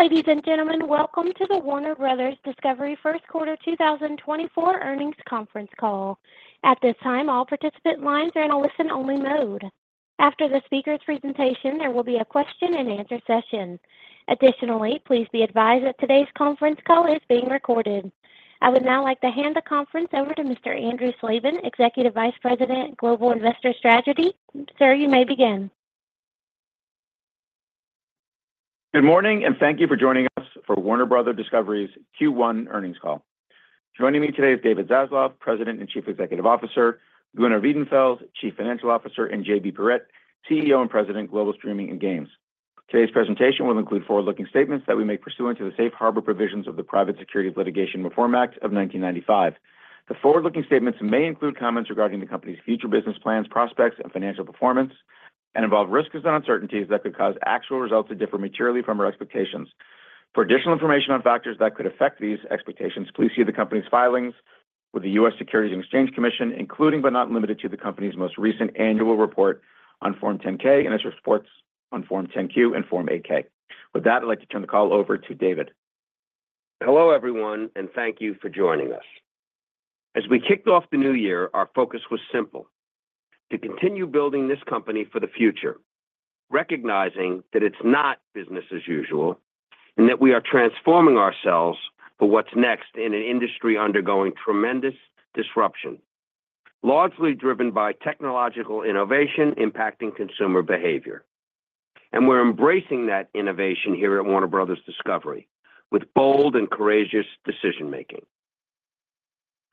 Ladies and gentlemen, welcome to the Warner Bros. Discovery First Quarter 2024 Earnings Conference Call. At this time, all participant lines are in a listen-only mode. After the speaker's presentation, there will be a question-and-answer session. Additionally, please be advised that today's conference call is being recorded. I would now like to hand the conference over to Mr. Andrew Slabin, Executive Vice President, Global Investor Strategy. Sir, you may begin. Good morning, and thank you for joining us for Warner Bros. Discovery's Q1 earnings call. Joining me today is David Zaslav, President and Chief Executive Officer, Gunnar Wiedenfels, Chief Financial Officer, and JB Perrette, CEO and President, Global Streaming and Games. Today's presentation will include forward-looking statements that we make pursuant to the Safe Harbor Provisions of the Private Securities Litigation Reform Act of 1995. The forward-looking statements may include comments regarding the company's future business plans, prospects, and financial performance and involve risks and uncertainties that could cause actual results to differ materially from our expectations. For additional information on factors that could affect these expectations, please see the company's filings with the U.S. Securities and Exchange Commission, including but not limited to, the company's most recent annual report on Form 10-K, and its reports on Form 10-Q and Form 8-K. With that, I'd like to turn the call over to David. Hello, everyone, and thank you for joining us. As we kicked off the new year, our focus was simple: to continue building this company for the future, recognizing that it's not business as usual, and that we are transforming ourselves for what's next in an industry undergoing tremendous disruption, largely driven by technological innovation impacting consumer behavior. And we're embracing that innovation here at Warner Bros. Discovery with bold and courageous decision-making.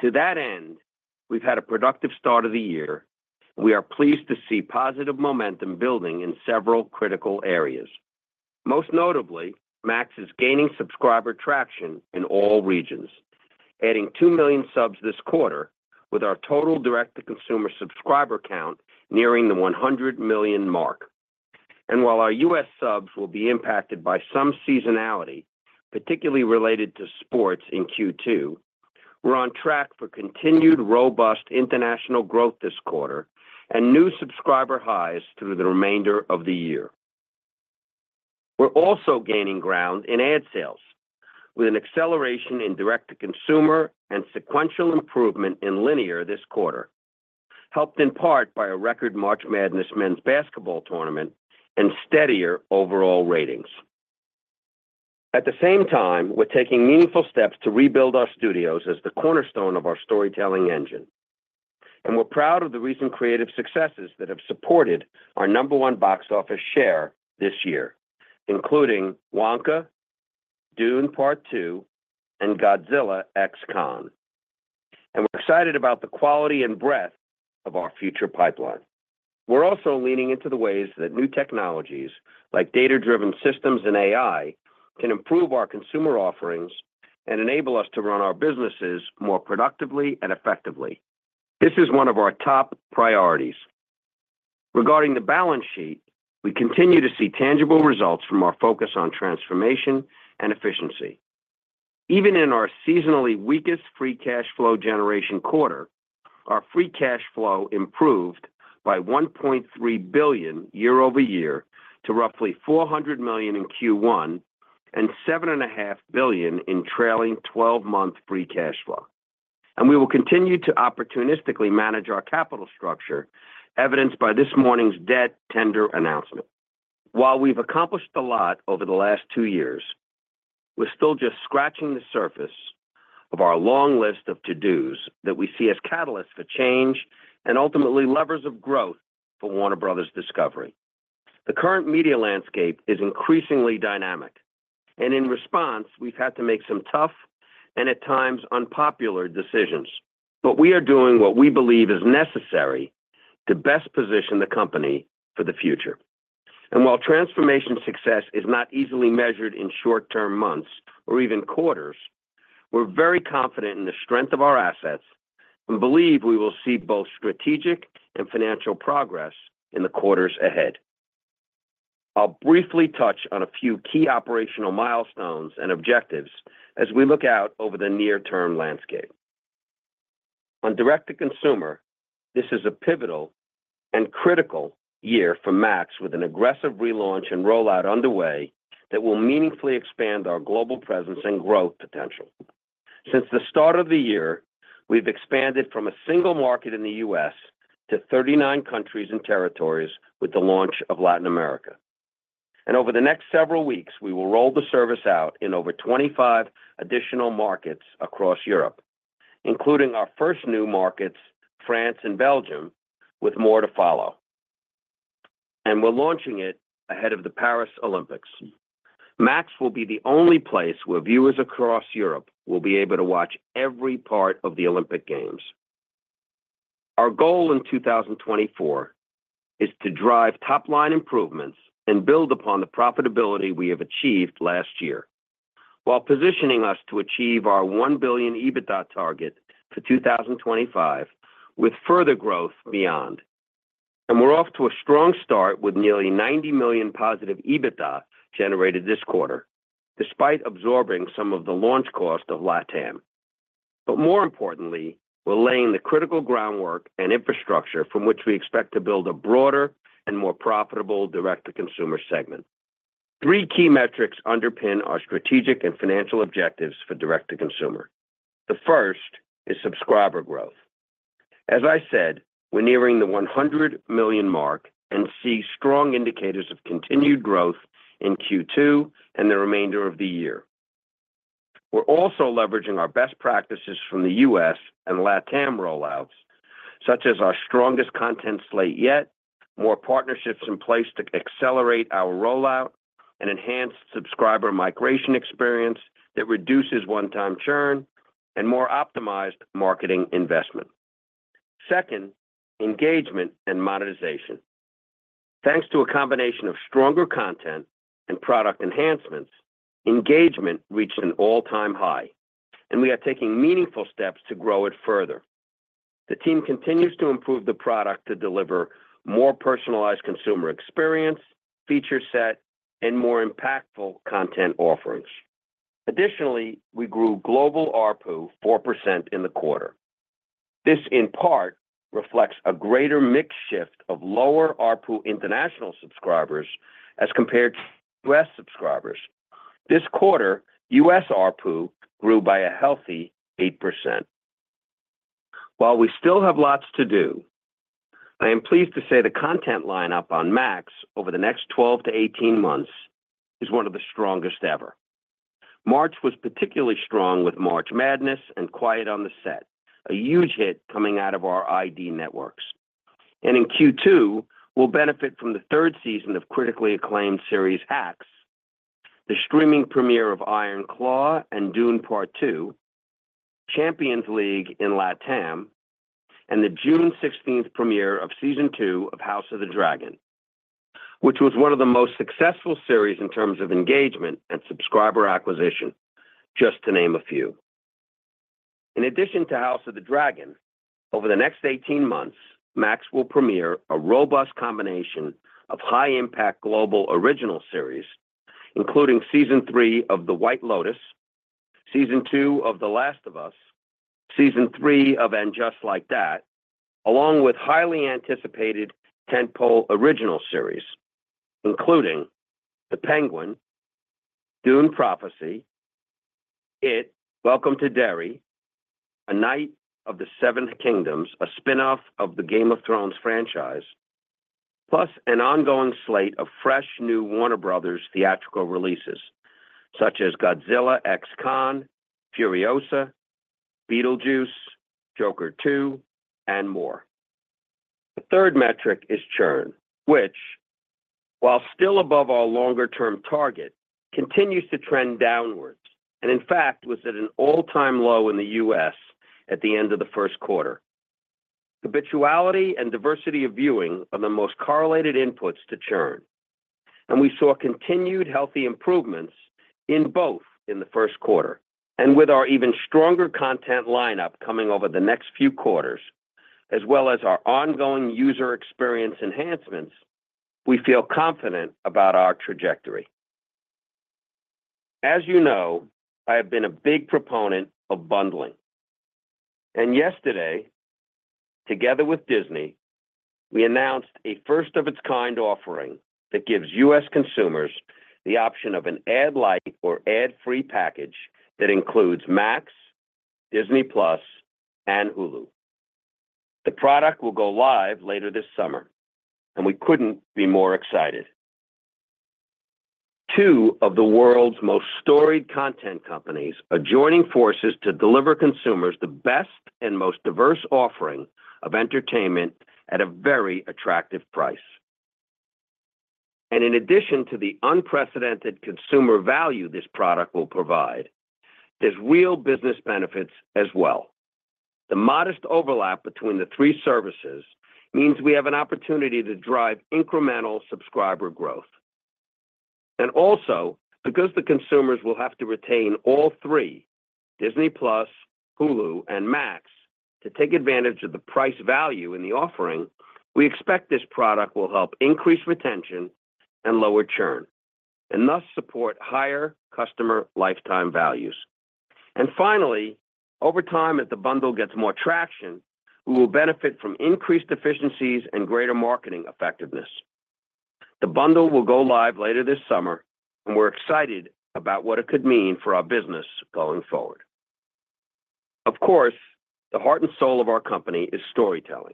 To that end, we've had a productive start of the year. We are pleased to see positive momentum building in several critical areas. Most notably, Max is gaining subscriber traction in all regions, adding 2 million subs this quarter, with our total direct-to-consumer subscriber count nearing the 100 million mark. And while our U.S. subs will be impacted by some seasonality, particularly related to sports in Q2, we're on track for continued robust international growth this quarter and new subscriber highs through the remainder of the year. We're also gaining ground in ad sales with an acceleration in direct-to-consumer and sequential improvement in linear this quarter, helped in part by a record March Madness men's basketball tournament and steadier overall ratings. At the same time, we're taking meaningful steps to rebuild our studios as the cornerstone of our storytelling engine, and we're proud of the recent creative successes that have supported our number one box office share this year, including Wonka, Dune: Part Two, and Godzilla x Kong. And we're excited about the quality and breadth of our future pipeline. We're also leaning into the ways that new technologies, like data-driven systems and AI, can improve our consumer offerings and enable us to run our businesses more productively and effectively. This is one of our top priorities. Regarding the balance sheet, we continue to see tangible results from our focus on transformation and efficiency. Even in our seasonally weakest free cash flow generation quarter, our free cash flow improved by $1.3 billion year-over-year to roughly $400 million in Q1 and $7.5 billion in trailing 12-month free cash flow. We will continue to opportunistically manage our capital structure, evidenced by this morning's debt tender announcement. While we've accomplished a lot over the last two years, we're still just scratching the surface of our long list of to-dos that we see as catalysts for change and ultimately levers of growth for Warner Bros. Discovery. The current media landscape is increasingly dynamic, and in response, we've had to make some tough and at times unpopular decisions. But we are doing what we believe is necessary to best position the company for the future. And while transformation success is not easily measured in short-term months or even quarters, we're very confident in the strength of our assets and believe we will see both strategic and financial progress in the quarters ahead. I'll briefly touch on a few key operational milestones and objectives as we look out over the near-term landscape. On direct-to-consumer, this is a pivotal and critical year for Max, with an aggressive relaunch and rollout underway that will meaningfully expand our global presence and growth potential. Since the start of the year, we've expanded from a single market in the U.S. to 39 countries and territories with the launch of Latin America. Over the next several weeks, we will roll the service out in over 25 additional markets across Europe, including our first new markets, France and Belgium, with more to follow. We're launching it ahead of the Paris Olympics. Max will be the only place where viewers across Europe will be able to watch every part of the Olympic Games. Our goal in 2024 is to drive top-line improvements and build upon the profitability we have achieved last year while positioning us to achieve our $1 billion EBITDA target for 2025, with further growth beyond. We're off to a strong start with nearly $90 million positive EBITDA generated this quarter, despite absorbing some of the launch cost of LatAm. More importantly, we're laying the critical groundwork and infrastructure from which we expect to build a broader and more profitable direct-to-consumer segment. Three key metrics underpin our strategic and financial objectives for direct-to-consumer. The first is subscriber growth. As I said, we're nearing the 100 million mark and see strong indicators of continued growth in Q2 and the remainder of the year. We're also leveraging our best practices from the U.S. and LatAm rollouts, such as our strongest content slate yet, more partnerships in place to accelerate our rollout, and enhanced subscriber migration experience that reduces one-time churn and more optimized marketing investment. Second, engagement and monetization. Thanks to a combination of stronger content and product enhancements, engagement reached an all-time high, and we are taking meaningful steps to grow it further. The team continues to improve the product to deliver more personalized consumer experience, feature set, and more impactful content offerings. Additionally, we grew global ARPU 4% in the quarter. This, in part, reflects a greater mix shift of lower ARPU international subscribers as compared to US subscribers. This quarter, US ARPU grew by a healthy 8%. While we still have lots to do, I am pleased to say the content lineup on Max over the next 12-18 months is one of the strongest ever. March was particularly strong with March Madness and Quiet on Set, a huge hit coming out of our ID networks. In Q2, we'll benefit from the third season of critically acclaimed series Hacks, the streaming premiere of The Iron Claw and Dune: Part Two, Champions League in LatAm, and the June 16th premiere of Season 2 of House of the Dragon, which was one of the most successful series in terms of engagement and subscriber acquisition, just to name a few. In addition to House of the Dragon, over the next 18 months, Max will premiere a robust combination of high-impact global original series, including Season 3 of The White Lotus, Season 2 of The Last of Us, Season 3 of And Just Like That, along with highly anticipated tentpole original series, including The Penguin, Dune: Prophecy, It: Welcome to Derry, A Knight of the Seven Kingdoms, a spinoff of the Game of Thrones franchise, plus an ongoing slate of fresh, new Warner Bros. theatrical releases such as Godzilla x Kong, Furiosa, Beetlejuice, Joker Two, and more. The third metric is churn, which, while still above our longer-term target, continues to trend downwards, and in fact, was at an all-time low in the U.S. at the end of the first quarter. Habituality and diversity of viewing are the most correlated inputs to churn, and we saw continued healthy improvements in both in the first quarter. With our even stronger content lineup coming over the next few quarters, as well as our ongoing user experience enhancements, we feel confident about our trajectory. As you know, I have been a big proponent of bundling, and yesterday, together with Disney, we announced a first-of-its-kind offering that gives U.S. consumers the option of an Ad-Lite or Ad-Free package that includes Max, Disney+, and Hulu. The product will go live later this summer, and we couldn't be more excited. Two of the world's most storied content companies are joining forces to deliver consumers the best and most diverse offering of entertainment at a very attractive price. In addition to the unprecedented consumer value this product will provide, there's real business benefits as well. The modest overlap between the three services means we have an opportunity to drive incremental subscriber growth. And also, because the consumers will have to retain all three, Disney+, Hulu, and Max, to take advantage of the price value in the offering, we expect this product will help increase retention and lower churn, and thus support higher customer lifetime values. And finally, over time, as the bundle gets more traction, we will benefit from increased efficiencies and greater marketing effectiveness. The bundle will go live later this summer, and we're excited about what it could mean for our business going forward. Of course, the heart and soul of our company is storytelling,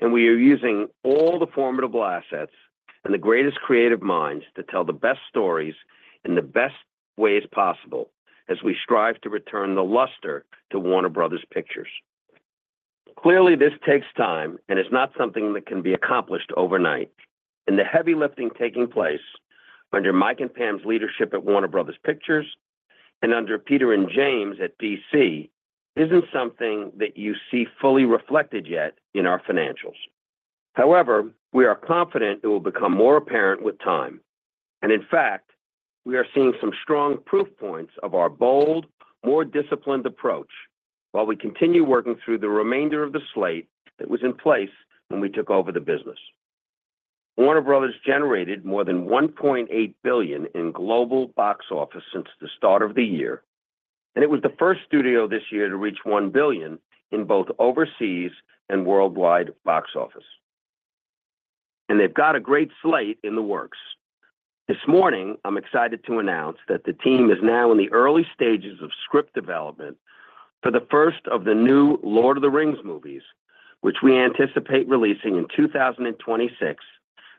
and we are using all the formidable assets and the greatest creative minds to tell the best stories in the best ways possible as we strive to return the luster to Warner Bros. Pictures. Clearly, this takes time and is not something that can be accomplished overnight. The heavy lifting taking place under Mike and Pam's leadership at Warner Bros. Pictures and under Peter and James at DC isn't something that you see fully reflected yet in our financials. However, we are confident it will become more apparent with time, and in fact, we are seeing some strong proof points of our bold, more disciplined approach while we continue working through the remainder of the slate that was in place when we took over the business. Warner Bros. generated more than $1.8 billion in global box office since the start of the year, and it was the first studio this year to reach $1 billion in both overseas and worldwide box office. They've got a great slate in the works. This morning, I'm excited to announce that the team is now in the early stages of script development for the first of the new Lord of the Rings movies, which we anticipate releasing in 2026,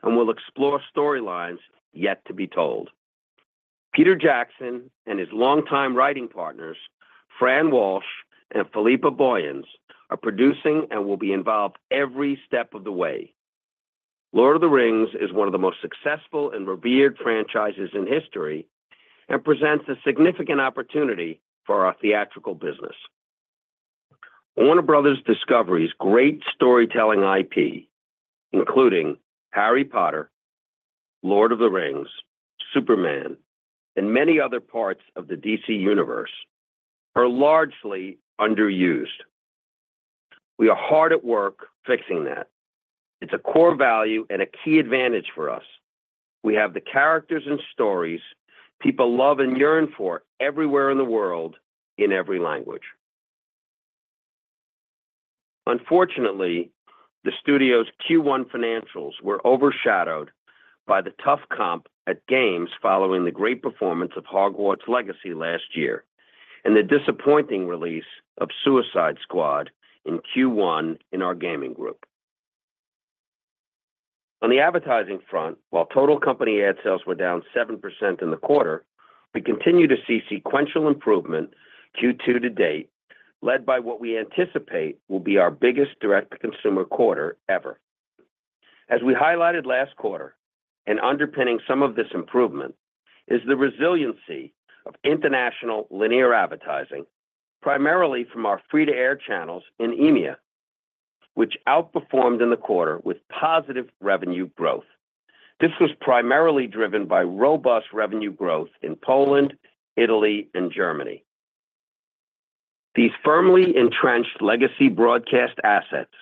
and will explore storylines yet to be told. Peter Jackson and his longtime writing partners, Fran Walsh and Philippa Boyens, are producing and will be involved every step of the way. Lord of the Rings is one of the most successful and revered franchises in history, and presents a significant opportunity for our theatrical business. Warner Bros. Discovery's great storytelling IP, including Harry Potter, Lord of the Rings, Superman, and many other parts of the DC Universe, are largely underused. We are hard at work fixing that. It's a core value and a key advantage for us. We have the characters and stories people love and yearn for everywhere in the world, in every language. Unfortunately, the studio's Q1 financials were overshadowed by the tough comp at Games following the great performance of Hogwarts Legacy last year, and the disappointing release of Suicide Squad in Q1 in our gaming group. On the advertising front, while total company ad sales were down 7% in the quarter, we continue to see sequential improvement Q2 to date, led by what we anticipate will be our biggest direct-to-consumer quarter ever. As we highlighted last quarter, and underpinning some of this improvement, is the resiliency of international linear advertising, primarily from our free-to-air channels in EMEA, which outperformed in the quarter with positive revenue growth. This was primarily driven by robust revenue growth in Poland, Italy, and Germany. These firmly entrenched legacy broadcast assets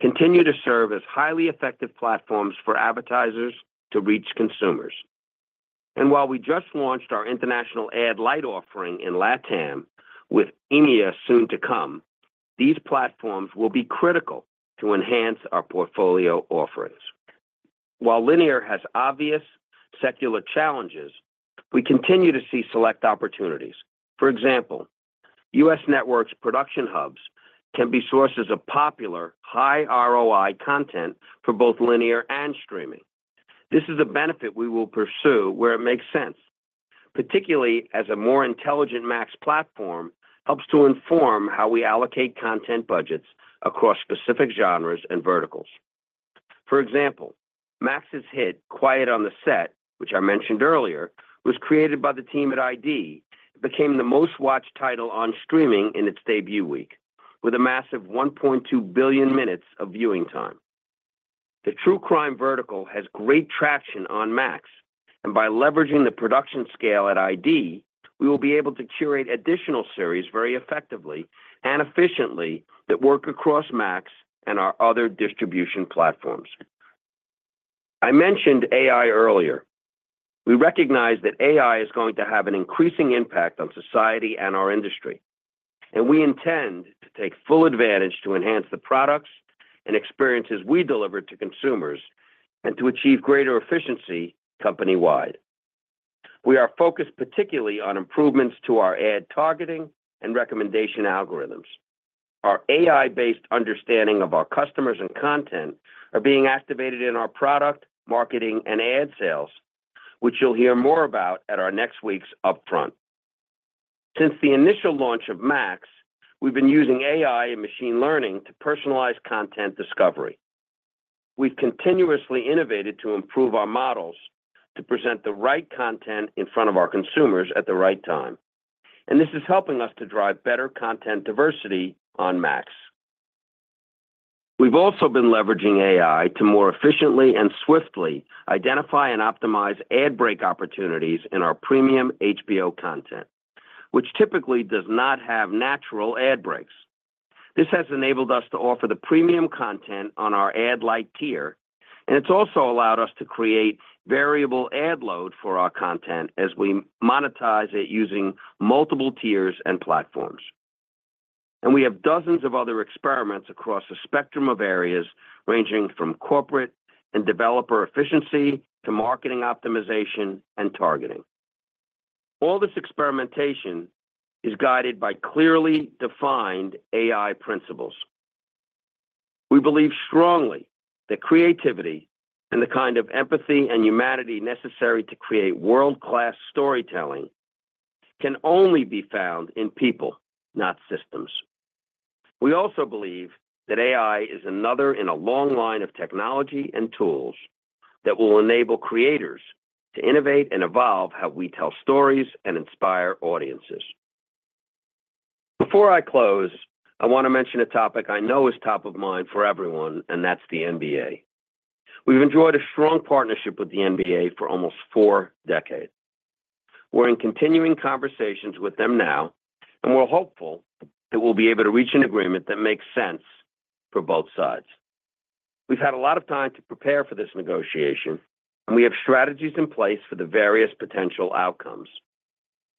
continue to serve as highly effective platforms for advertisers to reach consumers. While we just launched our international Ad-Lite offering in LaTAm, with EMEA soon to come, these platforms will be critical to enhance our portfolio offerings. While linear has obvious secular challenges, we continue to see select opportunities. For example, U.S. networks' production hubs can be sources of popular, high ROI content for both linear and streaming. This is a benefit we will pursue where it makes sense, particularly as a more intelligent Max platform helps to inform how we allocate content budgets across specific genres and verticals. For example, Max's hit, Quiet on Set, which I mentioned earlier, was created by the team at ID. It became the most-watched title on streaming in its debut week, with a massive 1.2 billion minutes of viewing time. The true crime vertical has great traction on Max, and by leveraging the production scale at ID, we will be able to curate additional series very effectively and efficiently that work across Max and our other distribution platforms. I mentioned AI earlier. We recognize that AI is going to have an increasing impact on society and our industry, and we intend to take full advantage to enhance the products and experiences we deliver to consumers, and to achieve greater efficiency company-wide. We are focused particularly on improvements to our ad targeting and recommendation algorithms. Our AI-based understanding of our customers and content are being activated in our product, marketing, and ad sales, which you'll hear more about at our next week's Upfront. Since the initial launch of Max, we've been using AI and machine learning to personalize content discovery. We've continuously innovated to improve our models to present the right content in front of our consumers at the right time, and this is helping us to drive better content diversity on Max. We've also been leveraging AI to more efficiently and swiftly identify and optimize ad break opportunities in our premium HBO content, which typically does not have natural ad breaks. This has enabled us to offer the premium content on our Ad-lite tier, and it's also allowed us to create variable ad load for our content as we monetize it using multiple tiers and platforms. We have dozens of other experiments across a spectrum of areas, ranging from corporate and developer efficiency to marketing optimization and targeting. All this experimentation is guided by clearly defined AI principles. We believe strongly that creativity and the kind of empathy and humanity necessary to create world-class storytelling can only be found in people, not systems. We also believe that AI is another in a long line of technology and tools that will enable creators to innovate and evolve how we tell stories and inspire audiences. Before I close, I want to mention a topic I know is top of mind for everyone, and that's the NBA. We've enjoyed a strong partnership with the NBA for almost four decades. We've had a lot of time to prepare for this negotiation, and we have strategies in place for the various potential outcomes.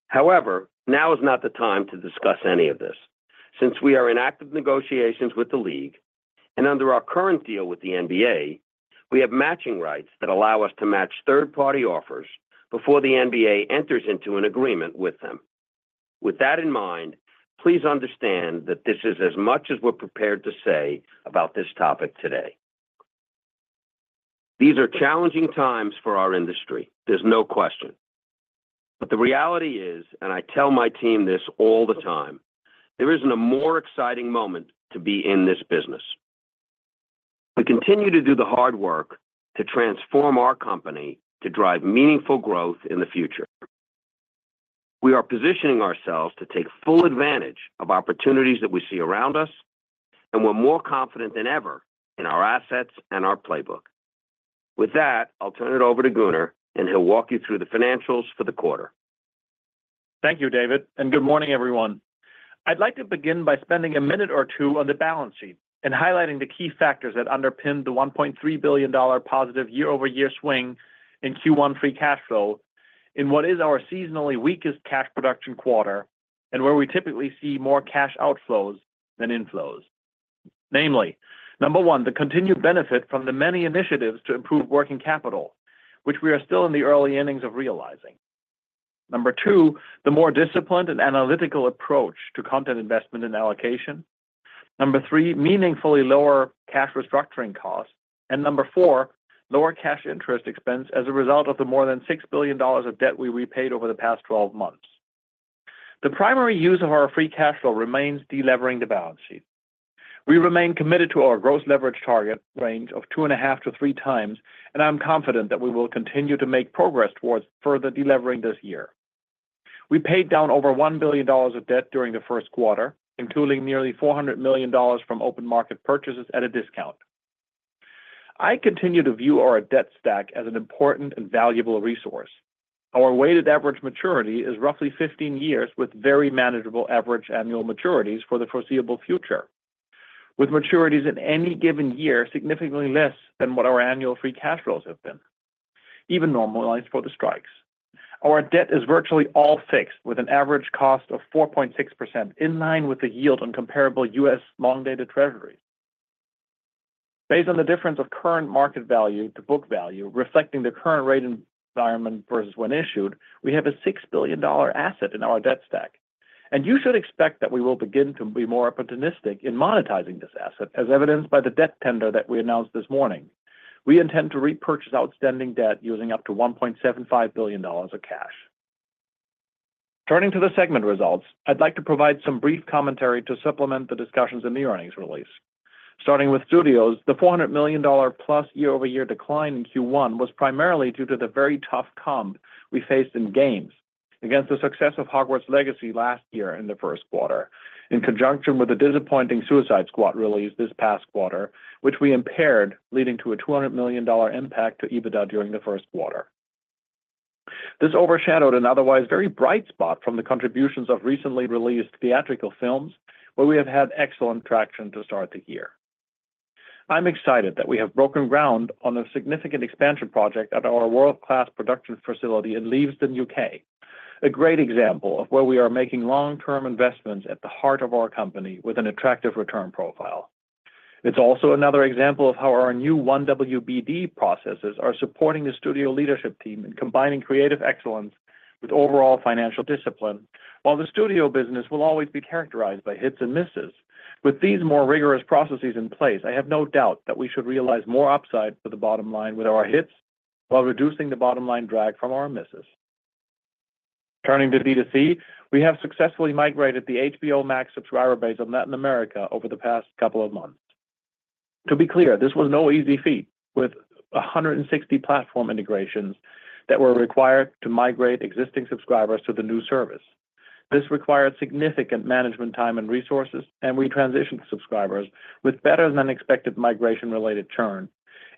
However, now is not the time to discuss any of this, since we are in active negotiations with the league, and under our current deal with the NBA, we have matching rights that allow us to match third-party offers before the NBA enters into an agreement with them. With that in mind, please understand that this is as much as we're prepared to say about this topic today. These are challenging times for our industry. There's no question. But the reality is, and I tell my team this all the time, there isn't a more exciting moment to be in this business. We continue to do the hard work to transform our company to drive meaningful growth in the future. We are positioning ourselves to take full advantage of opportunities that we see around us, and we're more confident than ever in our assets and our playbook. With that, I'll turn it over to Gunnar, and he'll walk you through the financials for the quarter. Thank you, David, and good morning, everyone. I'd like to begin by spending a minute or two on the balance sheet and highlighting the key factors that underpinned the $1.3 billion positive year-over-year swing in Q1 free cash flow, in what is our seasonally weakest cash production quarter and where we typically see more cash outflows than inflows. Namely, number one, the continued benefit from the many initiatives to improve working capital, which we are still in the early innings of realizing. Number two, the more disciplined and analytical approach to content investment and allocation. Number three, meaningfully lower cash restructuring costs. And number four, lower cash interest expense as a result of the more than $6 billion of debt we repaid over the past 12 months. The primary use of our free cash flow remains delevering the balance sheet. We remain committed to our gross leverage target range of 2.5-3 times, and I'm confident that we will continue to make progress towards further delevering this year. We paid down over $1 billion of debt during the first quarter, including nearly $400 million from open market purchases at a discount. I continue to view our debt stack as an important and valuable resource. Our weighted average maturity is roughly 15 years, with very manageable average annual maturities for the foreseeable future, with maturities in any given year significantly less than what our annual free cash flows have been, even normalized for the strikes. Our debt is virtually all fixed, with an average cost of 4.6%, in line with the yield on comparable U.S. long-dated Treasuries. Based on the difference of current market value to book value, reflecting the current rate environment versus when issued, we have a $6 billion asset in our debt stack. You should expect that we will begin to be more opportunistic in monetizing this asset, as evidenced by the debt tender that we announced this morning. We intend to repurchase outstanding debt using up to $1.75 billion of cash. Turning to the segment results, I'd like to provide some brief commentary to supplement the discussions in the earnings release. Starting with studios, the $400 million+ year-over-year decline in Q1 was primarily due to the very tough comp we faced in games against the success of Hogwarts Legacy last year in the first quarter, in conjunction with the disappointing Suicide Squad release this past quarter, which we impaired, leading to a $200 million impact to EBITDA during the first quarter. This overshadowed an otherwise very bright spot from the contributions of recently released theatrical films, where we have had excellent traction to start the year. I'm excited that we have broken ground on a significant expansion project at our world-class production facility in Leavesden, U.K., a great example of where we are making long-term investments at the heart of our company with an attractive return profile. It's also another example of how our new Warner Bros. Discovery processes are supporting the studio leadership team in combining creative excellence with overall financial discipline. While the studio business will always be characterized by hits and misses, with these more rigorous processes in place, I have no doubt that we should realize more upside for the bottom line with our hits while reducing the bottom line drag from our misses. Turning to D2C, we have successfully migrated the HBO Max subscriber base of Latin America over the past couple of months. To be clear, this was no easy feat, with 160 platform integrations that were required to migrate existing subscribers to the new service. This required significant management, time, and resources, and we transitioned subscribers with better-than-expected migration-related churn,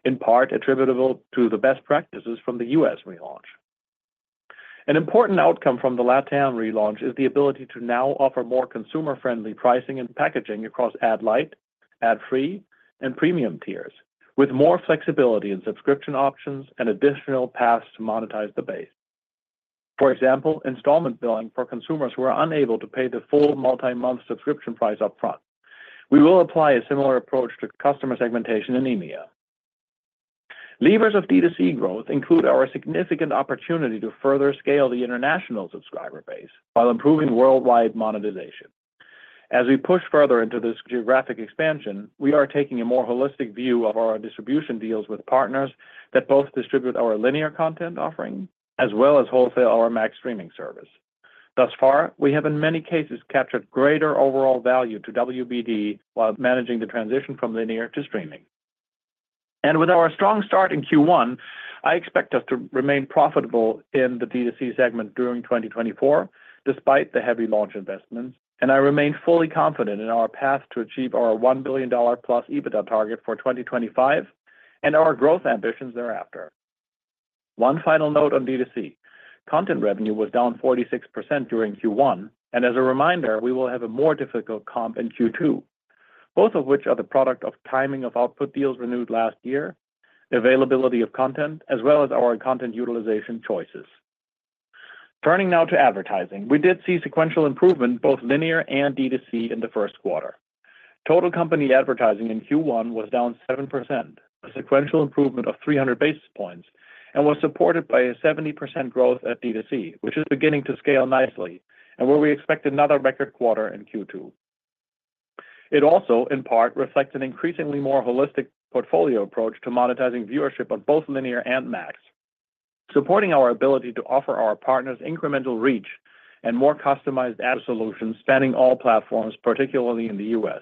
in part attributable to the best practices from the U.S. relaunch. An important outcome from the LatAm relaunch is the ability to now offer more consumer-friendly pricing and packaging across Ad-Lite, Ad-Free, and premium tiers, with more flexibility in subscription options and additional paths to monetize the base. For example, installment billing for consumers who are unable to pay the full multi-month subscription price upfront. We will apply a similar approach to customer segmentation in EMEA. Levers of D2C growth include our significant opportunity to further scale the international subscriber base while improving worldwide monetization. As we push further into this geographic expansion, we are taking a more holistic view of our distribution deals with partners that both distribute our linear content offering as well as wholesale our Max streaming service. Thus far, we have, in many cases, captured greater overall value to WBD while managing the transition from linear to streaming. With our strong start in Q1, I expect us to remain profitable in the D2C segment during 2024, despite the heavy launch investments, and I remain fully confident in our path to achieve our $1 billion+ EBITDA target for 2025 and our growth ambitions thereafter. One final note on D2C. Content revenue was down 46% during Q1, and as a reminder, we will have a more difficult comp in Q2, both of which are the product of timing of output deals renewed last year, availability of content, as well as our content utilization choices. Turning now to advertising. We did see sequential improvement, both linear and D2C, in the first quarter. Total company advertising in Q1 was down 7%, a sequential improvement of 300 basis points, and was supported by a 70% growth at D2C, which is beginning to scale nicely, and where we expect another record quarter in Q2. It also, in part, reflects an increasingly more holistic portfolio approach to monetizing viewership on both linear and Max, supporting our ability to offer our partners incremental reach and more customized ad solutions spanning all platforms, particularly in the U.S.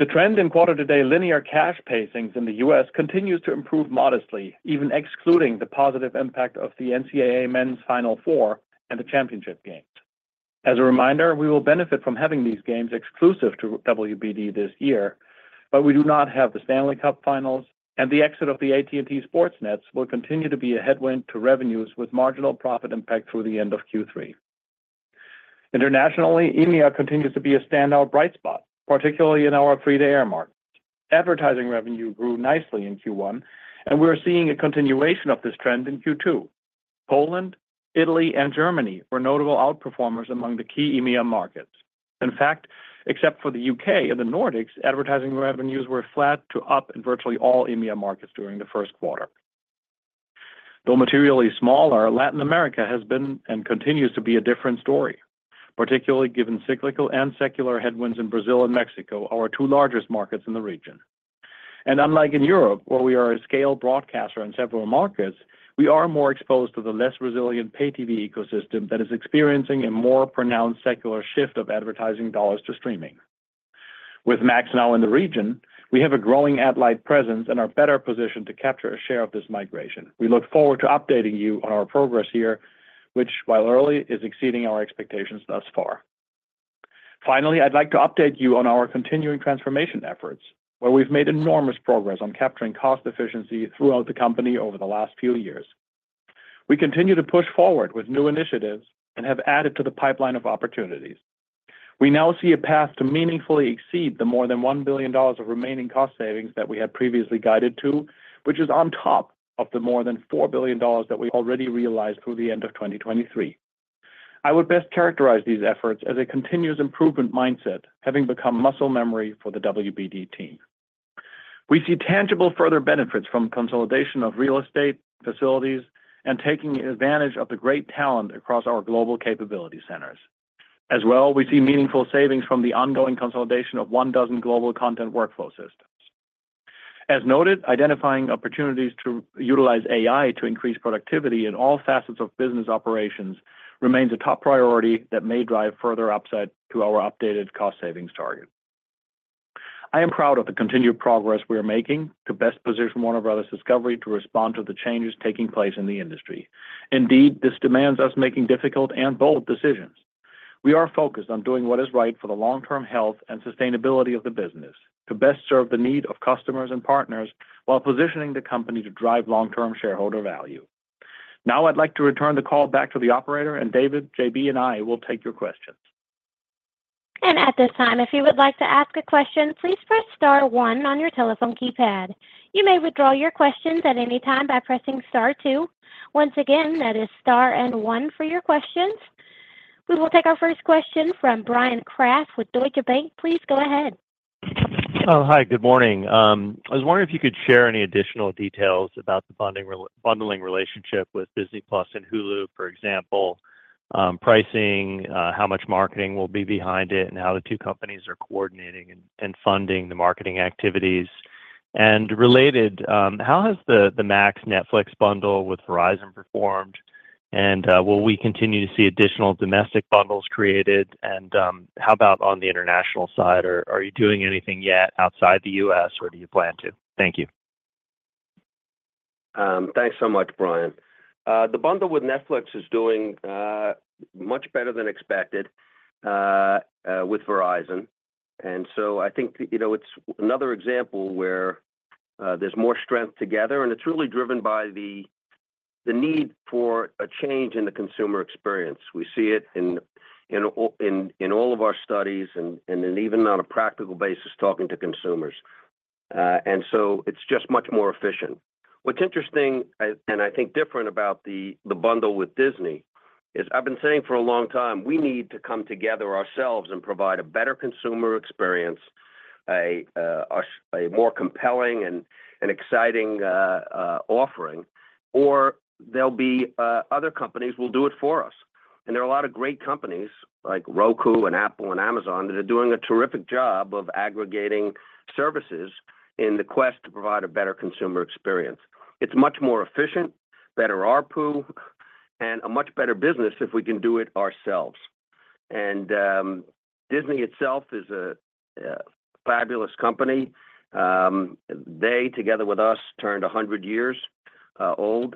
The trend in quarter-to-date linear cash pacings in the U.S. continues to improve modestly, even excluding the positive impact of the NCAA Men's Final Four and the championship games. As a reminder, we will benefit from having these games exclusive to WBD this year, but we do not have the Stanley Cup finals, and the exit of the AT&T SportsNet will continue to be a headwind to revenues, with marginal profit impact through the end of Q3. Internationally, EMEA continues to be a standout bright spot, particularly in our free-to-air markets. Advertising revenue grew nicely in Q1, and we're seeing a continuation of this trend in Q2. Poland, Italy, and Germany were notable outperformers among the key EMEA markets. In fact, except for the UK and the Nordics, advertising revenues were flat to up in virtually all EMEA markets during the first quarter. Though materially smaller, Latin America has been and continues to be a different story, particularly given cyclical and secular headwinds in Brazil and Mexico, our two largest markets in the region. Unlike in Europe, where we are a scale broadcaster in several markets, we are more exposed to the less resilient pay TV ecosystem that is experiencing a more pronounced secular shift of advertising dollars to streaming. With Max now in the region, we have a growing Ad-Lite presence and are better positioned to capture a share of this migration. We look forward to updating you on our progress here, which, while early, is exceeding our expectations thus far. Finally, I'd like to update you on our continuing transformation efforts, where we've made enormous progress on capturing cost efficiency throughout the company over the last few years. We continue to push forward with new initiatives and have added to the pipeline of opportunities. We now see a path to meaningfully exceed the more than $1 billion of remaining cost savings that we had previously guided to, which is on top of the more than $4 billion that we already realized through the end of 2023. I would best characterize these efforts as a continuous improvement mindset, having become muscle memory for the WBD team. We see tangible further benefits from consolidation of real estate, facilities, and taking advantage of the great talent across our global capability centers. As well, we see meaningful savings from the ongoing consolidation of 12 global content workflow systems. As noted, identifying opportunities to utilize AI to increase productivity in all facets of business operations remains a top priority that may drive further upside to our updated cost savings target. I am proud of the continued progress we are making to best position Warner Bros. Discovery to respond to the changes taking place in the industry. Indeed, this demands us making difficult and bold decisions. We are focused on doing what is right for the long-term health and sustainability of the business, to best serve the needs of customers and partners, while positioning the company to drive long-term shareholder value. Now, I'd like to return the call back to the operator, and David, JB, and I will take your questions. At this time, if you would like to ask a question, please press star one on your telephone keypad. You may withdraw your questions at any time by pressing star two. Once again, that is star and one for your questions. We will take our first question from Bryan Kraft with Deutsche Bank. Please go ahead. Oh, hi, good morning. I was wondering if you could share any additional details about the rebundling relationship with Disney+ and Hulu, for example, pricing, how much marketing will be behind it, and how the two companies are coordinating and funding the marketing activities. And related, how has the Max-Netflix bundle with Verizon performed? And, will we continue to see additional domestic bundles created? And, how about on the international side? Are you doing anything yet outside the U.S., or do you plan to? Thank you. Thanks so much, Brian. The bundle with Netflix is doing much better than expected with Verizon. So I think, you know, it's another example where there's more strength together, and it's really driven by the need for a change in the consumer experience. We see it in all of our studies and even on a practical basis, talking to consumers. So it's just much more efficient. What's interesting, and I think different about the bundle with Disney is I've been saying for a long time, we need to come together ourselves and provide a better consumer experience, a more compelling and exciting offering, or there'll be other companies will do it for us. And there are a lot of great companies, like Roku and Apple and Amazon, that are doing a terrific job of aggregating services in the quest to provide a better consumer experience. It's much more efficient, better ARPU, and a much better business if we can do it ourselves. Disney itself is a fabulous company. They, together with us, turned 100 years old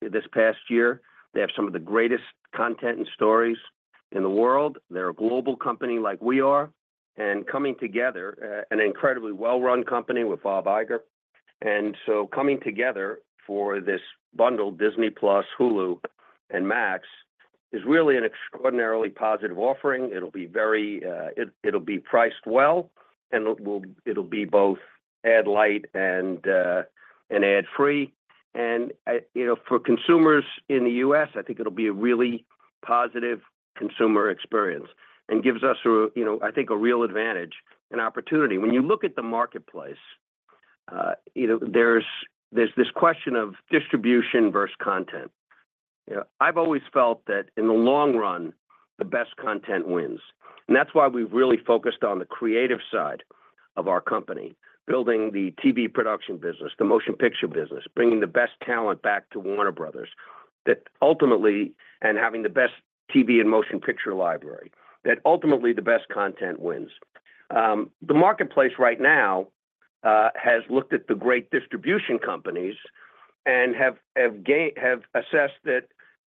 this past year. They have some of the greatest content and stories.... in the world. They're a global company like we are, and coming together, an incredibly well-run company with Bob Iger. And so coming together for this bundle, Disney+, Hulu, and Max, is really an extraordinarily positive offering. It'll be very-- It, it'll be priced well, and it will-- it'll be both Ad-Lite and, and Ad-Free. And, you know, for consumers in the U.S., I think it'll be a really positive consumer experience and gives us a, you know, I think, a real advantage and opportunity. When you look at the marketplace, you know, there's, there's this question of distribution versus content. You know, I've always felt that in the long run, the best content wins, and that's why we've really focused on the creative side of our company, building the TV production business, the motion picture business, bringing the best talent back to Warner Bros. That ultimately, and having the best TV and motion picture library, that ultimately, the best content wins. The marketplace right now has looked at the great distribution companies and have assessed that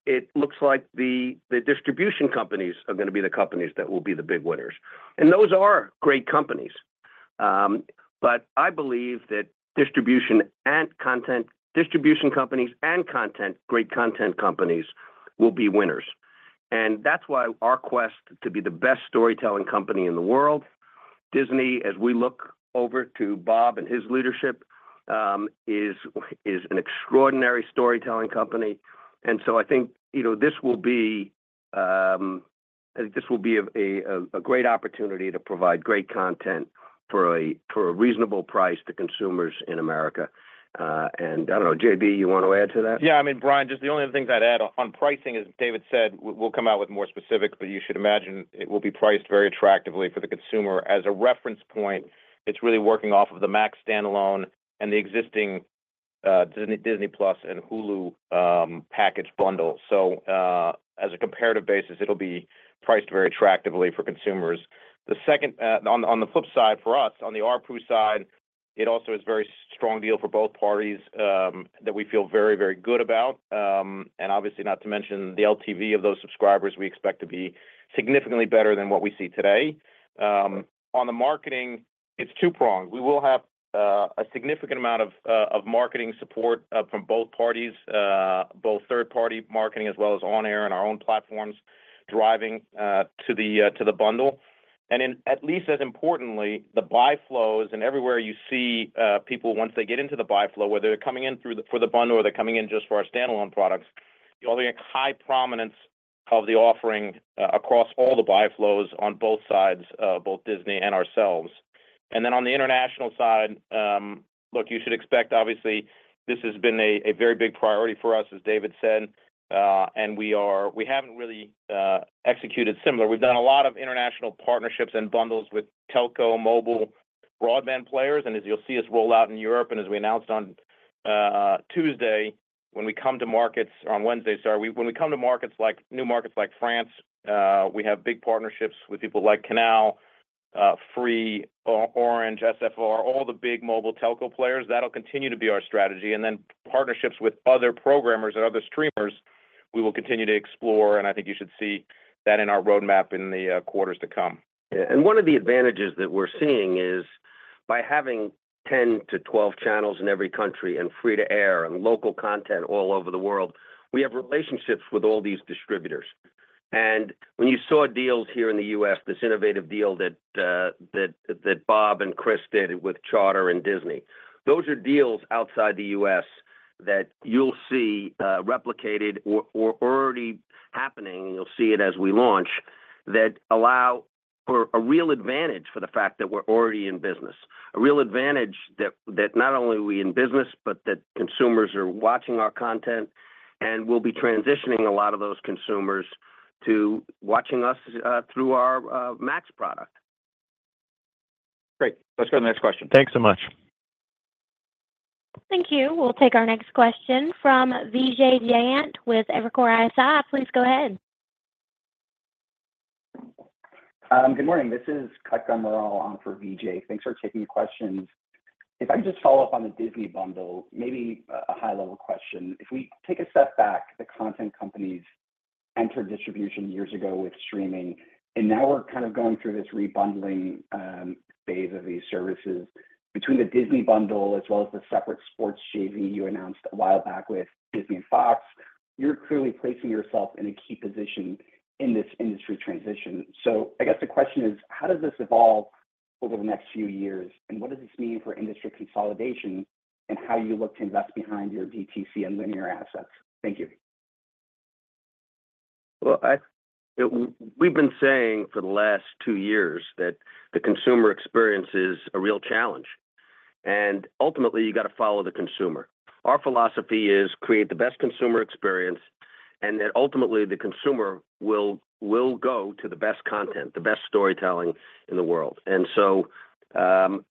it looks like the distribution companies are gonna be the companies that will be the big winners. And those are great companies. But I believe that distribution and content, distribution companies and content, great content companies, will be winners. And that's why our quest to be the best storytelling company in the world, Disney, as we look over to Bob and his leadership, is an extraordinary storytelling company. And so I think, you know, this will be a great opportunity to provide great content for a reasonable price to consumers in America. And I don't know, JB, you want to add to that? Yeah, I mean, Bryan, just the only other things I'd add on, on pricing, as David said, we'll come out with more specifics, but you should imagine it will be priced very attractively for the consumer. As a reference point, it's really working off of the Max standalone and the existing, Disney, Disney+ and Hulu, package bundle. So, as a comparative basis, it'll be priced very attractively for consumers. The second, on the flip side, for us, on the ARPU side, it also is a very strong deal for both parties, that we feel very, very good about. And obviously, not to mention the LTV of those subscribers, we expect to be significantly better than what we see today. On the marketing, it's two-pronged. We will have a significant amount of marketing support from both parties, both third-party marketing as well as on-air and our own platforms, driving to the bundle. And at least as importantly, the buy flows and everywhere you see people once they get into the buy flow, whether they're coming in through the bundle or they're coming in just for our standalone products, you'll get high prominence of the offering across all the buy flows on both sides, both Disney and ourselves. And then on the international side, look, you should expect, obviously, this has been a very big priority for us, as David said, and we haven't really executed similar. We've done a lot of international partnerships and bundles with telco, mobile, broadband players, and as you'll see us roll out in Europe, and as we announced on Tuesday, when we come to markets on Wednesday, when we come to markets like new markets like France, we have big partnerships with people like Canal+, Free, Orange, SFR, all the big mobile telco players. That'll continue to be our strategy, and then partnerships with other programmers and other streamers, we will continue to explore, and I think you should see that in our roadmap in the quarters to come. Yeah, and one of the advantages that we're seeing is by having 10-12 channels in every country and free to air and local content all over the world, we have relationships with all these distributors. And when you saw deals here in the U.S., this innovative deal that Bob and Chris did with Charter and Disney, those are deals outside the U.S. that you'll see replicated or already happening, and you'll see it as we launch, that allow for a real advantage for the fact that we're already in business. A real advantage that not only are we in business, but that consumers are watching our content, and we'll be transitioning a lot of those consumers to watching us through our Max product. Great. Let's go to the next question. Thanks so much. Thank you. We'll take our next question from Vijay Jayant with Evercore ISI. Please go ahead. Good morning. This is Kutgun Maral on for Vijay. Thanks for taking questions. If I can just follow up on the Disney bundle, maybe a high-level question. If we take a step back, the content companies entered distribution years ago with streaming, and now we're kind of going through this rebundling phase of these services. Between the Disney bundle, as well as the separate sports JV you announced a while back with Disney and Fox, you're clearly placing yourself in a key position in this industry transition. So I guess the question is, how does this evolve over the next few years, and what does this mean for industry consolidation and how you look to invest behind your DTC and linear assets? Thank you. Well, we've been saying for the last two years that the consumer experience is a real challenge, and ultimately, you got to follow the consumer. Our philosophy is create the best consumer experience, and then ultimately, the consumer will go to the best content, the best storytelling in the world. And so,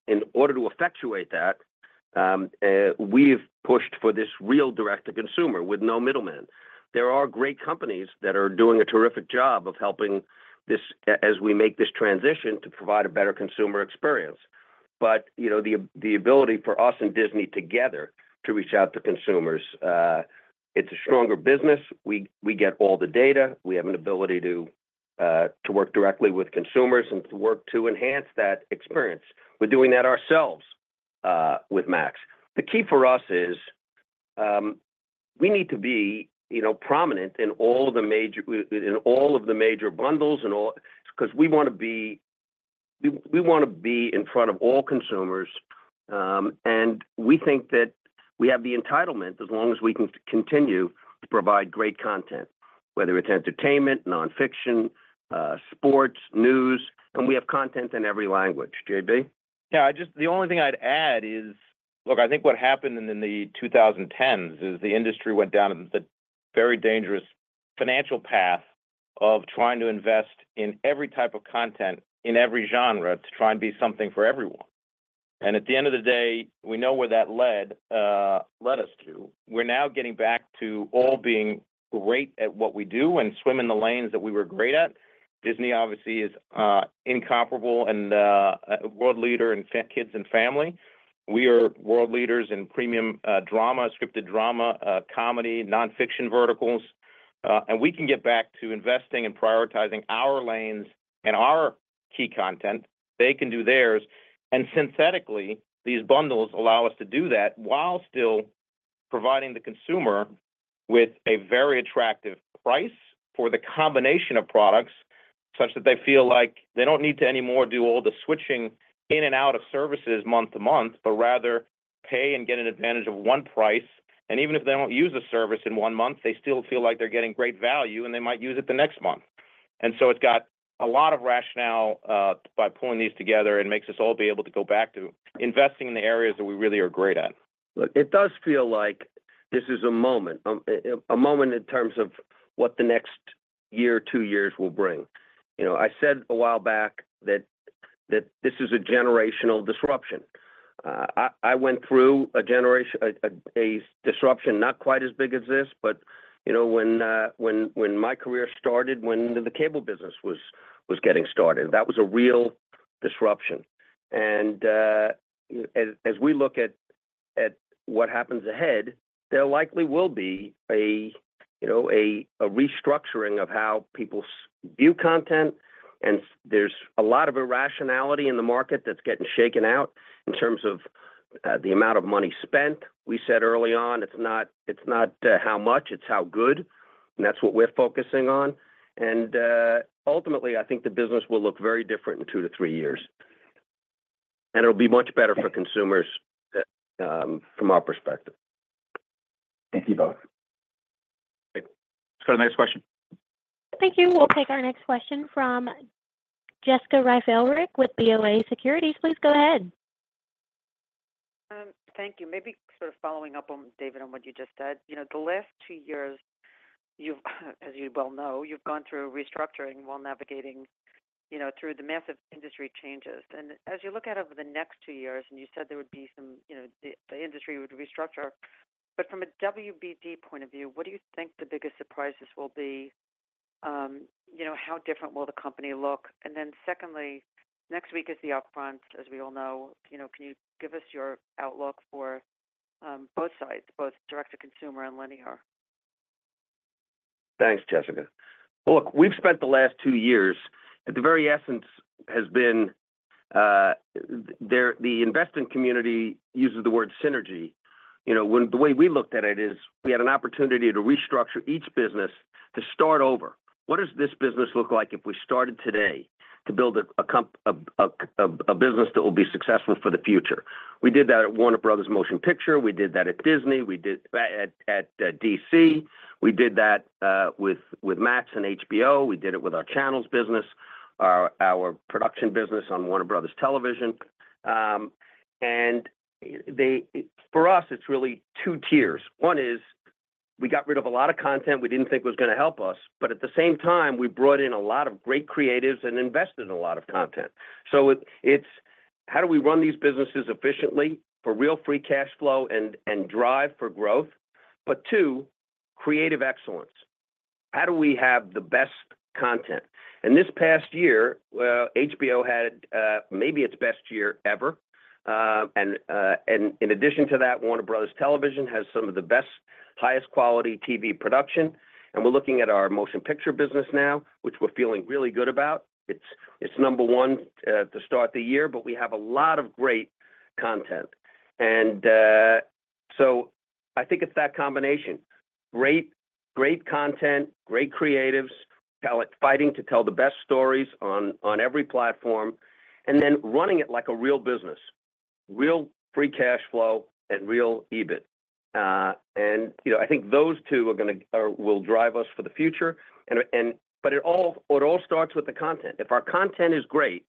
in order to effectuate that, we've pushed for this real direct-to-consumer with no middleman. There are great companies that are doing a terrific job of helping this as we make this transition to provide a better consumer experience. But, you know, the ability for us and Disney together to reach out to consumers, it's a stronger business. We get all the data. We have an ability to work directly with consumers and to work to enhance that experience. We're doing that ourselves with Max. The key for us is, we need to be, you know, prominent in all of the major bundles and all 'cause we wanna be in front of all consumers, and we think that we have the entitlement as long as we can continue to provide great content, whether it's entertainment, nonfiction, sports, news, and we have content in every language. JB? The only thing I'd add is, look, I think what happened in the 2010s is the industry went down a very dangerous financial path of trying to invest in every type of content, in every genre, to try and be something for everyone. And at the end of the day, we know where that led, led us to. We're now getting back to all being great at what we do and swim in the lanes that we were great at. Disney obviously is, incomparable and, a world leader in kids and family. We are world leaders in premium, drama, scripted drama, comedy, nonfiction verticals, and we can get back to investing and prioritizing our lanes and our key content. They can do theirs. Synthetically, these bundles allow us to do that while still providing the consumer with a very attractive price for the combination of products, such that they feel like they don't need to anymore do all the switching in and out of services month to month, but rather pay and get an advantage of one price. Even if they don't use the service in one month, they still feel like they're getting great value, and they might use it the next month. So it's got a lot of rationale by pulling these together and makes us all be able to go back to investing in the areas that we really are great at. Look, it does feel like this is a moment in terms of what the next year or two years will bring. You know, I said a while back that this is a generational disruption. I went through a generation... a disruption, not quite as big as this, but you know, when my career started, when the cable business was getting started, that was a real disruption. And as we look at what happens ahead, there likely will be a you know, a restructuring of how people view content, and there's a lot of irrationality in the market that's getting shaken out in terms of the amount of money spent. We said early on, it's not how much, it's how good, and that's what we're focusing on. Ultimately, I think the business will look very different in 2-3 years, and it'll be much better for consumers, from our perspective. Thank you both. Let's go to the next question. Thank you. We'll take our next question from Jessica Reif Ehrlich with BofA Securities. Please go ahead. Thank you. Maybe sort of following up on, David, on what you just said. You know, the last two years, you've, as you well know, you've gone through restructuring while navigating, you know, through the massive industry changes. And as you look out over the next two years, and you said there would be some, you know, the industry would restructure, but from a WBD point of view, what do you think the biggest surprises will be? You know, how different will the company look? And then secondly, next week is the Upfront, as we all know. You know, can you give us your outlook for, both sides, both direct to consumer and linear? Thanks, Jessica. Look, we've spent the last two years, at the very essence has been, the investing community uses the word synergy. You know, the way we looked at it is, we had an opportunity to restructure each business to start over. What does this business look like if we started today to build a business that will be successful for the future? We did that at Warner Bros. Motion Picture. We did that at Discovery. We did that at DC. We did that with Max and HBO. We did it with our channels business, our production business on Warner Bros. Television. For us, it's really two tiers. One is, we got rid of a lot of content we didn't think was gonna help us, but at the same time, we brought in a lot of great creatives and invested in a lot of content. So it's how do we run these businesses efficiently for real free cash flow and drive for growth, but two, creative excellence. How do we have the best content? And this past year, well, HBO had maybe its best year ever. And in addition to that, Warner Bros. Television has some of the best, highest quality TV production, and we're looking at our motion picture business now, which we're feeling really good about. It's number one to start the year, but we have a lot of great content. And so I think it's that combination. Great, great content, great creatives, telling, fighting to tell the best stories on every platform, and then running it like a real business, real free cash flow and real EBIT. And, you know, I think those two are gonna will drive us for the future, and... but it all starts with the content. If our content is great,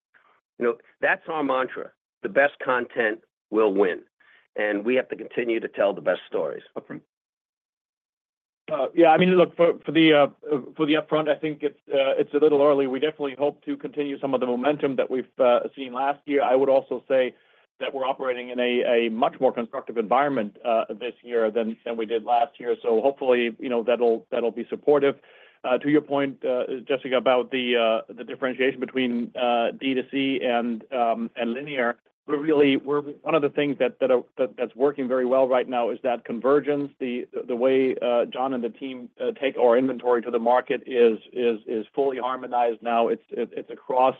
you know, that's our mantra. The best content will win, and we have to continue to tell the best stories. Agreed.... Yeah, I mean, look, for the upfront, I think it's a little early. We definitely hope to continue some of the momentum that we've seen last year. I would also say that we're operating in a much more constructive environment this year than we did last year. So hopefully, you know, that'll be supportive. To your point, Jessica, about the differentiation between D2C and linear, we're one of the things that's working very well right now is that convergence. The way Jon and the team take our inventory to the market is fully harmonized now. It's across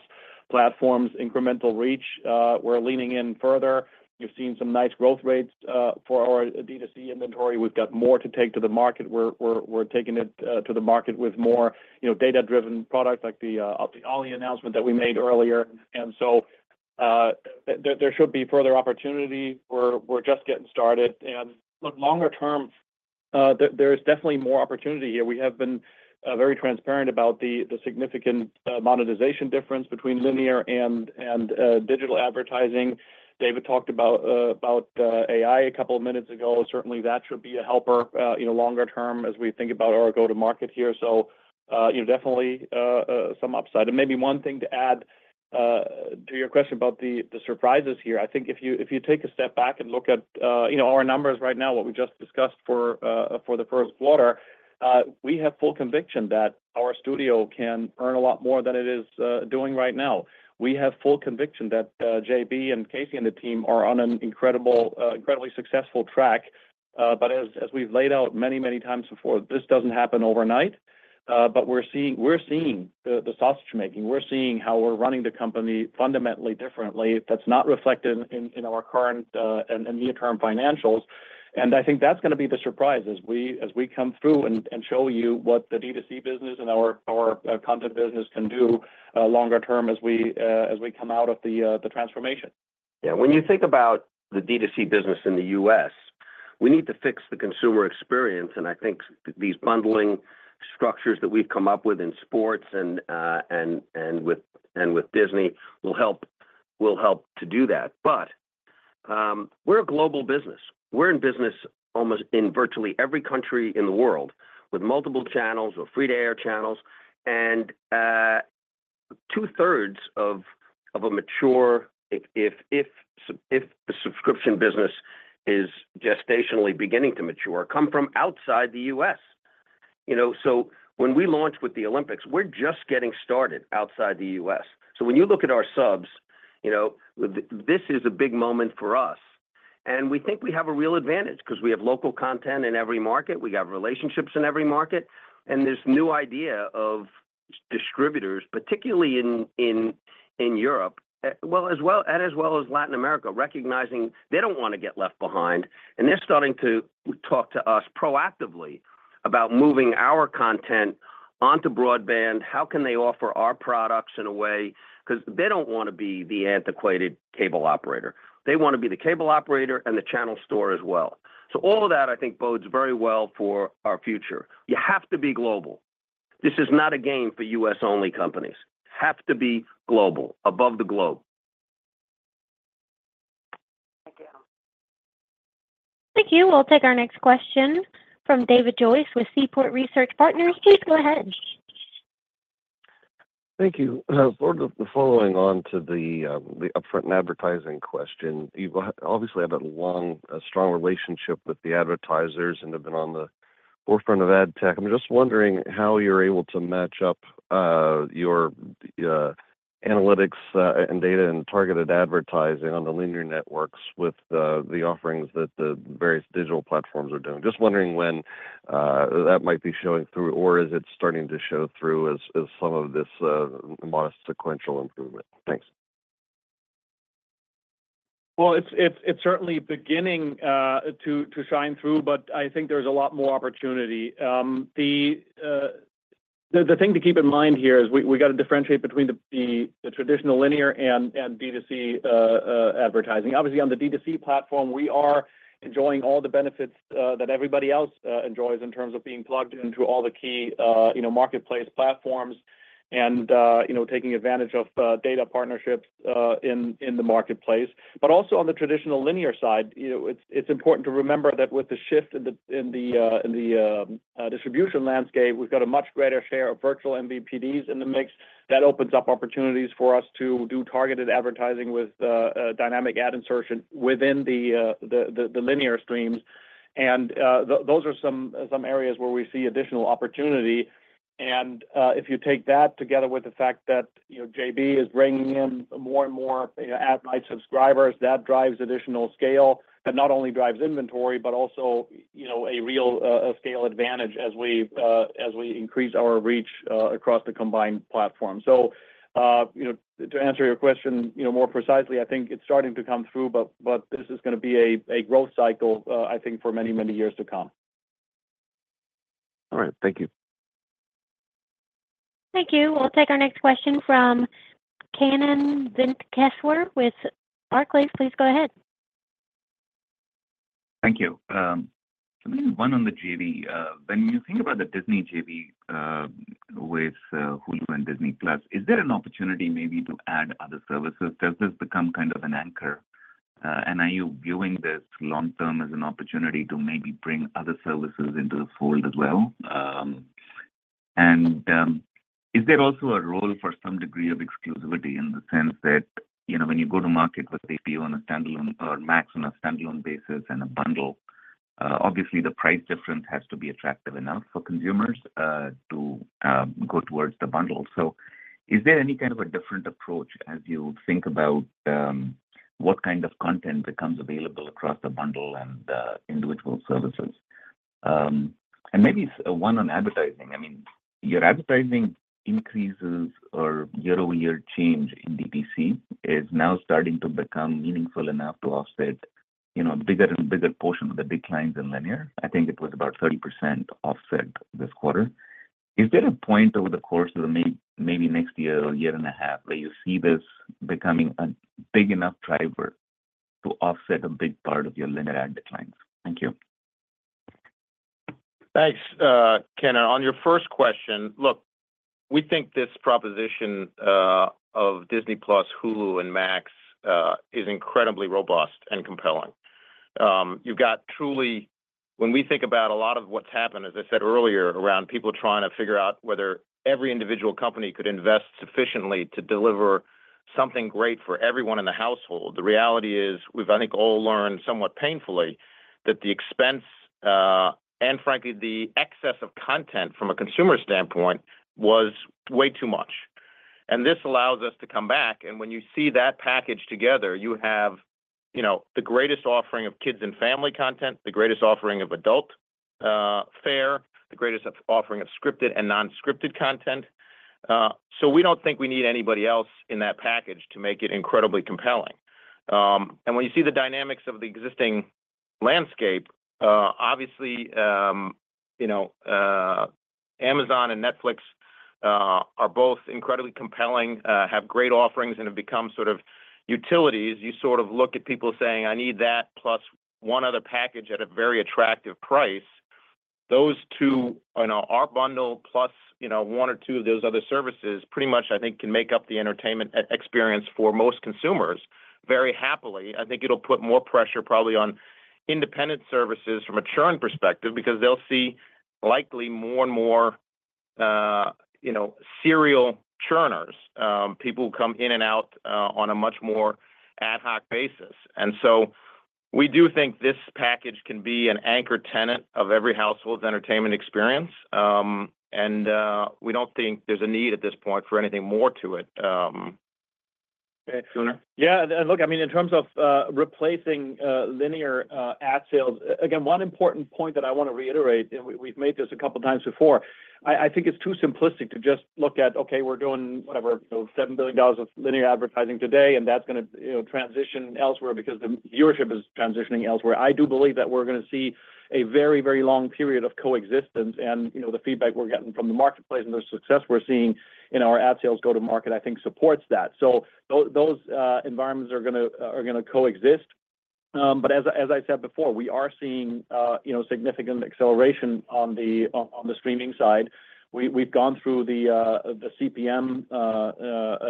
platforms, incremental reach. We're leaning in further. You've seen some nice growth rates for our D2C inventory. We've got more to take to the market. We're taking it to the market with more, you know, data-driven products like the Olli announcement that we made earlier. And so, there should be further opportunity. We're just getting started. And look, longer term, there's definitely more opportunity here. We have been very transparent about the significant monetization difference between linear and digital advertising. David talked about AI a couple of minutes ago. Certainly, that should be a helper, you know, longer term as we think about our go-to-market here. So, you know, definitely some upside. And maybe one thing to add to your question about the surprises here. I think if you, if you take a step back and look at, you know, our numbers right now, what we just discussed for the first quarter, we have full conviction that our studio can earn a lot more than it is doing right now. We have full conviction that JB and Casey and the team are on an incredible incredibly successful track. But as we've laid out many, many times before, this doesn't happen overnight. But we're seeing, we're seeing the sausage making. We're seeing how we're running the company fundamentally differently. That's not reflected in our current and near-term financials. And I think that's gonna be the surprise as we come through and show you what the D2C business and our content business can do longer term as we come out of the transformation. Yeah. When you think about the D2C business in the US, we need to fix the consumer experience, and I think these bundling structures that we've come up with in sports and with Disney will help to do that. But, we're a global business. We're in business almost in virtually every country in the world, with multiple channels, with free-to-air channels, and two-thirds of a mature, if the subscription business is gestationally beginning to mature, come from outside the US. You know, so when we launch with the Olympics, we're just getting started outside the US. So when you look at our subs, you know, this is a big moment for us. We think we have a real advantage 'cause we have local content in every market, we have relationships in every market, and this new idea of distributors, particularly in Europe, as well as Latin America, recognizing they don't wanna get left behind. And they're starting to talk to us proactively about moving our content onto broadband. How can they offer our products in a way- 'cause they don't wanna be the antiquated cable operator. They wanna be the cable operator and the channel store as well. So all of that, I think, bodes very well for our future. You have to be global. This is not a game for U.S.-only companies. Have to be global, above the globe. Thank you. We'll take our next question from David Joyce with Seaport Research Partners. Please go ahead. Thank you. Sort of following on to the upfront and advertising question, you've obviously have a long, strong relationship with the advertisers and have been on the forefront of ad tech. I'm just wondering how you're able to match up your analytics and data and targeted advertising on the linear networks with the offerings that the various digital platforms are doing. Just wondering when that might be showing through, or is it starting to show through as some of this modest sequential improvement? Thanks. Well, it's certainly beginning to shine through, but I think there's a lot more opportunity. The thing to keep in mind here is we got to differentiate between the traditional linear and D2C advertising. Obviously, on the D2C platform, we are enjoying all the benefits that everybody else enjoys in terms of being plugged into all the key you know marketplace platforms and you know taking advantage of data partnerships in the marketplace. But also on the traditional linear side, you know, it's important to remember that with the shift in the distribution landscape, we've got a much greater share of virtual MVPDs in the mix. That opens up opportunities for us to do targeted advertising with dynamic ad insertion within the linear streams. And those are some areas where we see additional opportunity. And if you take that together with the fact that, you know, JB is bringing in more and more ad-light subscribers, that drives additional scale, that not only drives inventory, but also, you know, a real scale advantage as we increase our reach across the combined platform. So, you know, to answer your question, you know, more precisely, I think it's starting to come through, but this is gonna be a growth cycle, I think, for many, many years to come. All right. Thank you. Thank you. We'll take our next question from Kannan Venkateshwar with Barclays. Please go ahead. Thank you. Maybe one on the JV. When you think about the Disney JV, with Hulu and Disney+, is there an opportunity maybe to add other services? Does this become kind of an anchor?... and are you viewing this long-term as an opportunity to maybe bring other services into the fold as well? Is there also a role for some degree of exclusivity in the sense that, you know, when you go to market with HBO on a standalone or Max on a standalone basis and a bundle, obviously, the price difference has to be attractive enough for consumers to go towards the bundle. So is there any kind of a different approach as you think about what kind of content becomes available across the bundle and individual services? And maybe one on advertising. I mean, your advertising increases or year-over-year change in DTC is now starting to become meaningful enough to offset, you know, bigger and bigger portion of the declines in linear. I think it was about 30% offset this quarter. Is there a point over the course of the maybe next year or year and a half, where you see this becoming a big enough driver to offset a big part of your linear ad declines? Thank you. Thanks, Ken. On your first question, look, we think this proposition of Disney+, Hulu, and Max is incredibly robust and compelling. You've got truly, when we think about a lot of what's happened, as I said earlier, around people trying to figure out whether every individual company could invest sufficiently to deliver something great for everyone in the household, the reality is, we've, I think, all learned somewhat painfully, that the expense and frankly, the excess of content from a consumer standpoint, was way too much. And this allows us to come back, and when you see that package together, you have, you know, the greatest offering of kids and family content, the greatest offering of adult fare, the greatest offering of scripted and non-scripted content. So we don't think we need anybody else in that package to make it incredibly compelling. And when you see the dynamics of the existing landscape, obviously, you know, Amazon and Netflix are both incredibly compelling, have great offerings, and have become sort of utilities. You sort of look at people saying, "I need that," plus one other package at a very attractive price. Those two, you know, our bundle plus, you know, one or two of those other services, pretty much, I think, can make up the entertainment experience for most consumers very happily. I think it'll put more pressure probably on independent services from a churn perspective, because they'll see likely more and more, you know, serial churners, people who come in and out, on a much more ad hoc basis. And so we do think this package can be an anchor tenant of every household's entertainment experience. And we don't think there's a need at this point for anything more to it. Gunnar? Yeah, and look, I mean, in terms of replacing linear ad sales. Again, one important point that I want to reiterate, and we've made this a couple of times before, I think it's too simplistic to just look at, okay, we're doing whatever, you know, $7 billion of linear advertising today, and that's gonna, you know, transition elsewhere because the viewership is transitioning elsewhere. I do believe that we're gonna see a very, very long period of coexistence, and, you know, the feedback we're getting from the marketplace and the success we're seeing in our ad sales go-to-market, I think, supports that. So those environments are gonna coexist. But as I said before, we are seeing, you know, significant acceleration on the streaming side. We've gone through the CPM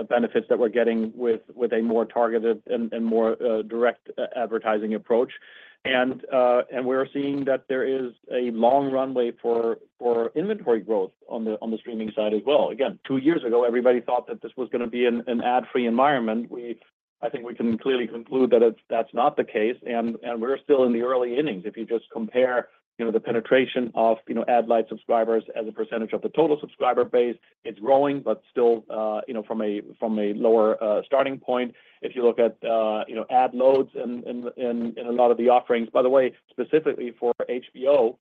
benefits that we're getting with a more targeted and more direct advertising approach. And we're seeing that there is a long runway for inventory growth on the streaming side as well. Again, two years ago, everybody thought that this was gonna be an Ad-Free environment. We've I think we can clearly conclude that that's not the case, and we're still in the early innings. If you just compare, you know, the penetration of, you know, Ad-Lite subscribers as a percentage of the total subscriber base, it's growing, but still, you know, from a lower starting point. If you look at, you know, ad loads in a lot of the offerings, by the way, specifically for HBO,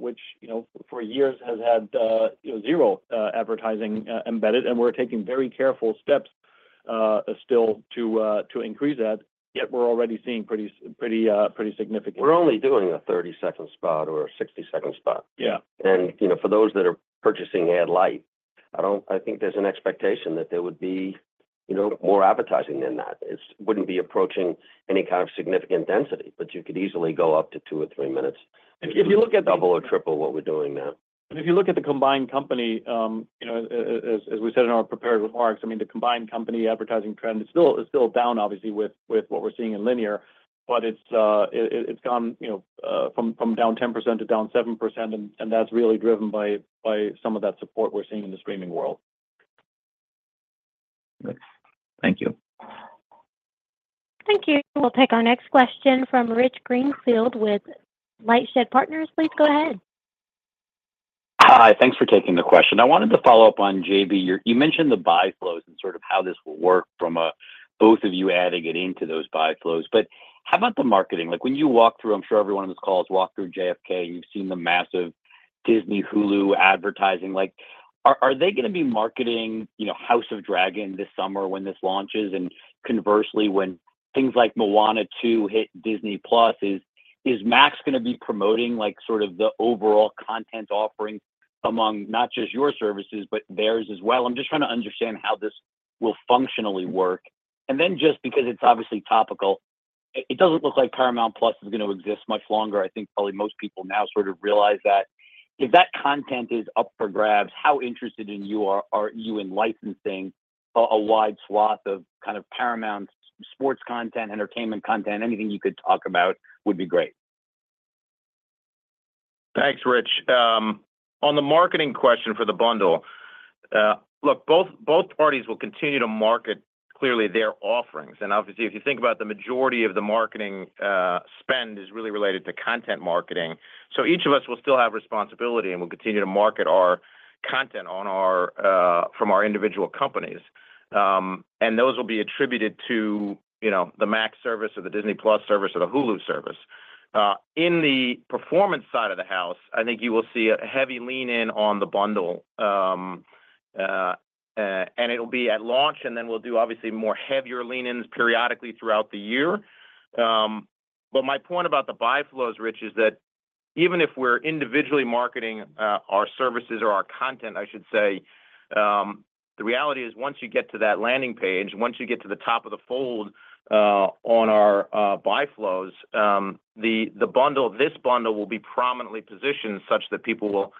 which, you know, for years has had, you know, zero advertising embedded, and we're taking very careful steps still to increase that, yet we're already seeing pretty significant. We're only doing a 30-second spot or a 60-second spot. Yeah. You know, for those that are purchasing Ad-Lite, I think there's an expectation that there would be, you know, more advertising than that. It wouldn't be approaching any kind of significant density, but you could easily go up to two or three minutes. If you look at the- Double or triple what we're doing now. And if you look at the combined company, you know, as we said in our prepared remarks, I mean, the combined company advertising trend is still, is still down, obviously, with what we're seeing in linear, but it's gone, you know, from down 10% to down 7%, and that's really driven by some of that support we're seeing in the streaming world. Thank you. Thank you. We'll take our next question from Rich Greenfield with LightShed Partners. Please go ahead. Hi, thanks for taking the question. I wanted to follow up on JB. You mentioned the buy flows and sort of how this will work from both of you adding it into those buy flows. But how about the marketing? Like, when you walk through, I'm sure everyone on this call has walked through JFK, and you've seen the massive Disney Hulu advertising. Like, are they gonna be marketing, you know, House of the Dragon this summer when this launches? And conversely, when things like Moana 2 hit Disney+, is Max gonna be promoting, like, sort of the overall content offering among not just your services, but theirs as well? I'm just trying to understand how this will functionally work. And then, just because it's obviously topical, it doesn't look like Paramount+ is gonna exist much longer. I think probably most people now sort of realize that. If that content is up for grabs, how interested are you in licensing a wide swath of kind of Paramount sports content, entertainment content? Anything you could talk about would be great. Thanks, Rich. On the marketing question for the bundle, look, both, both parties will continue to market clearly their offerings. And obviously, if you think about the majority of the marketing, spend is really related to content marketing. So each of us will still have responsibility, and we'll continue to market our content on our, from our individual companies. And those will be attributed to, you know, the Max service or the Disney+ service or the Hulu service. In the performance side of the house, I think you will see a heavy lean in on the bundle. And it'll be at launch, and then we'll do obviously more heavier lean in periodically throughout the year. But my point about the buy flows, Rich, is that even if we're individually marketing our services or our content, I should say, the reality is once you get to that landing page, once you get to the top of the fold, on our buy flows, the bundle, this bundle will be prominently positioned such that people will,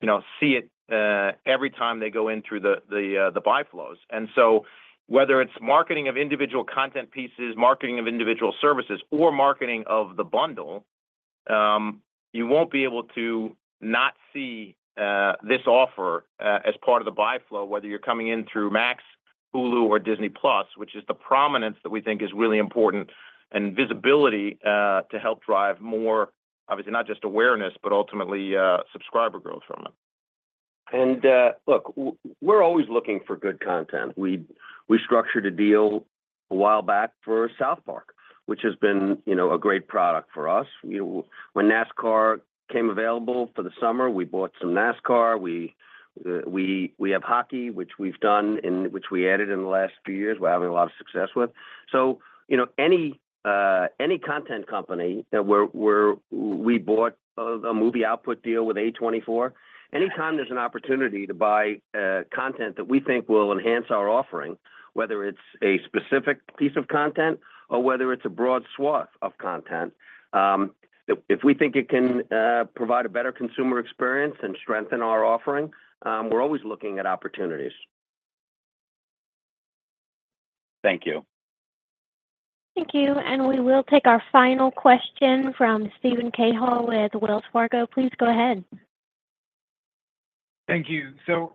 you know, see it every time they go in through the buy flows. And so whether it's marketing of individual content pieces, marketing of individual services or marketing of the bundle, you won't be able to not see this offer as part of the buy flow, whether you're coming in through Max, Hulu, or Disney+, which is the prominence that we think is really important and visibility to help drive more, obviously, not just awareness, but ultimately subscriber growth from it. Look, we're always looking for good content. We structured a deal a while back for South Park, which has been, you know, a great product for us. When NASCAR came available for the summer, we bought some NASCAR. We have hockey, which we added in the last few years, we're having a lot of success with. So, you know, any content company where we bought a movie output deal with A24, anytime there's an opportunity to buy content that we think will enhance our offering, whether it's a specific piece of content or whether it's a broad swath of content, if we think it can provide a better consumer experience and strengthen our offering, we're always looking at opportunities. Thank you. Thank you. And we will take our final question from Steven Cahall with Wells Fargo. Please go ahead. Thank you. So,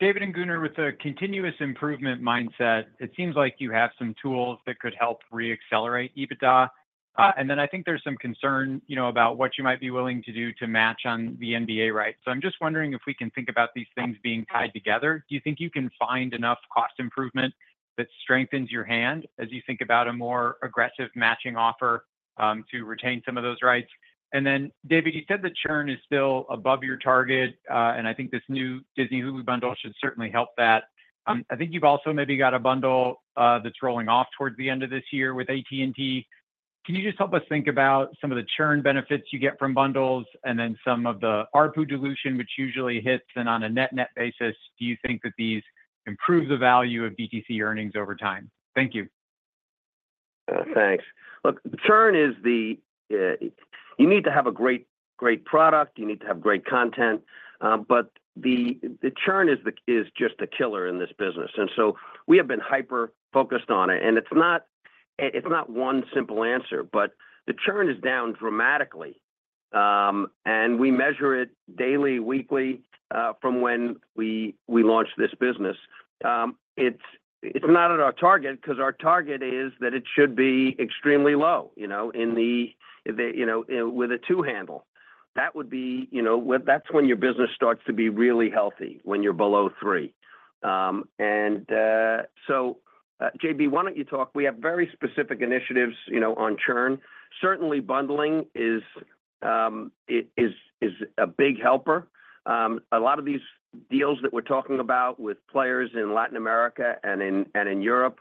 David and Gunnar, with a continuous improvement mindset, it seems like you have some tools that could help reaccelerate EBITDA. And then I think there's some concern, you know, about what you might be willing to do to match on the NBA rights. So I'm just wondering if we can think about these things being tied together. Do you think you can find enough cost improvement that strengthens your hand as you think about a more aggressive matching offer, to retain some of those rights? And then, David, you said the churn is still above your target, and I think this new Disney Hulu bundle should certainly help that. I think you've also maybe got a bundle, that's rolling off towards the end of this year with AT&T. Can you just help us think about some of the churn benefits you get from bundles and then some of the ARPU dilution, which usually hits, and on a net-net basis, do you think that these improve the value of DTC earnings over time? Thank you. Thanks. Look, the churn is the... You need to have a great, great product, you need to have great content, but the, the churn is the- is just a killer in this business. And so we have been hyper-focused on it, and it's not, it's not one simple answer, but the churn is down dramatically, and we measure it daily, weekly, from when we, we launched this business. It's, it's not at our target because our target is that it should be extremely low, you know, in the, the, you know, with a two handle. That would be, you know- well, that's when your business starts to be really healthy, when you're below three. And, so, JB, why don't you talk? We have very specific initiatives, you know, on churn. Certainly, bundling is, it is, is a big helper. A lot of these deals that we're talking about with players in Latin America and in Europe,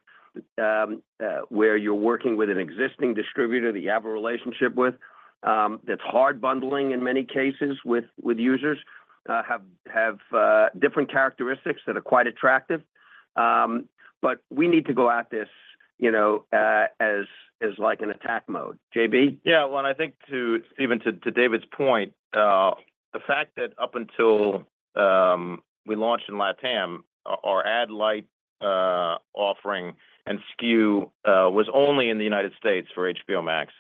where you're working with an existing distributor that you have a relationship with, that's hard bundling in many cases with users have different characteristics that are quite attractive. But we need to go at this, you know, as like an attack mode. JB? Yeah, well, I think to Stephen, to David's point, the fact that up until we launched in Latam, our Ad-Lite offering and SKU was only in the United States for HBO Max,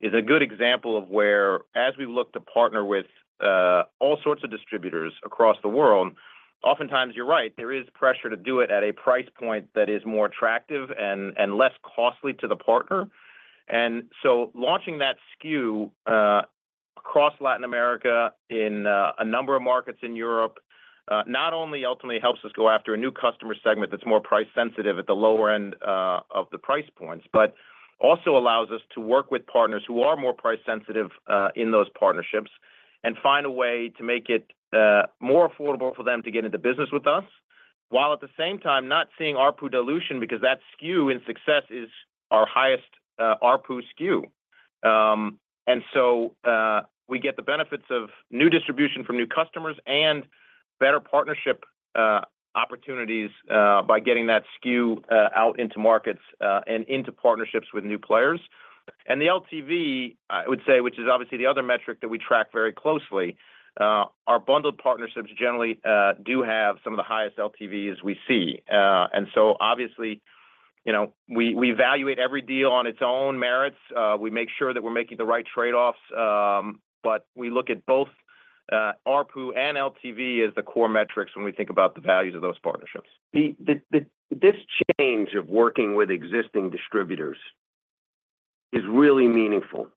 is a good example of where, as we look to partner with all sorts of distributors across the world, oftentimes, you're right, there is pressure to do it at a price point that is more attractive and less costly to the partner. Launching that SKU across Latin America in a number of markets in Europe not only ultimately helps us go after a new customer segment that's more price-sensitive at the lower end of the price points, but also allows us to work with partners who are more price-sensitive in those partnerships and find a way to make it more affordable for them to get into business with us, while at the same time not seeing ARPU dilution because that SKU in success is our highest ARPU SKU. And so we get the benefits of new distribution from new customers and better partnership opportunities by getting that SKU out into markets and into partnerships with new players.... And the LTV, I would say, which is obviously the other metric that we track very closely, our bundled partnerships generally do have some of the highest LTVs we see. And so obviously, you know, we evaluate every deal on its own merits. We make sure that we're making the right trade-offs, but we look at both ARPU and LTV as the core metrics when we think about the values of those partnerships. This change of working with existing distributors is really meaningful,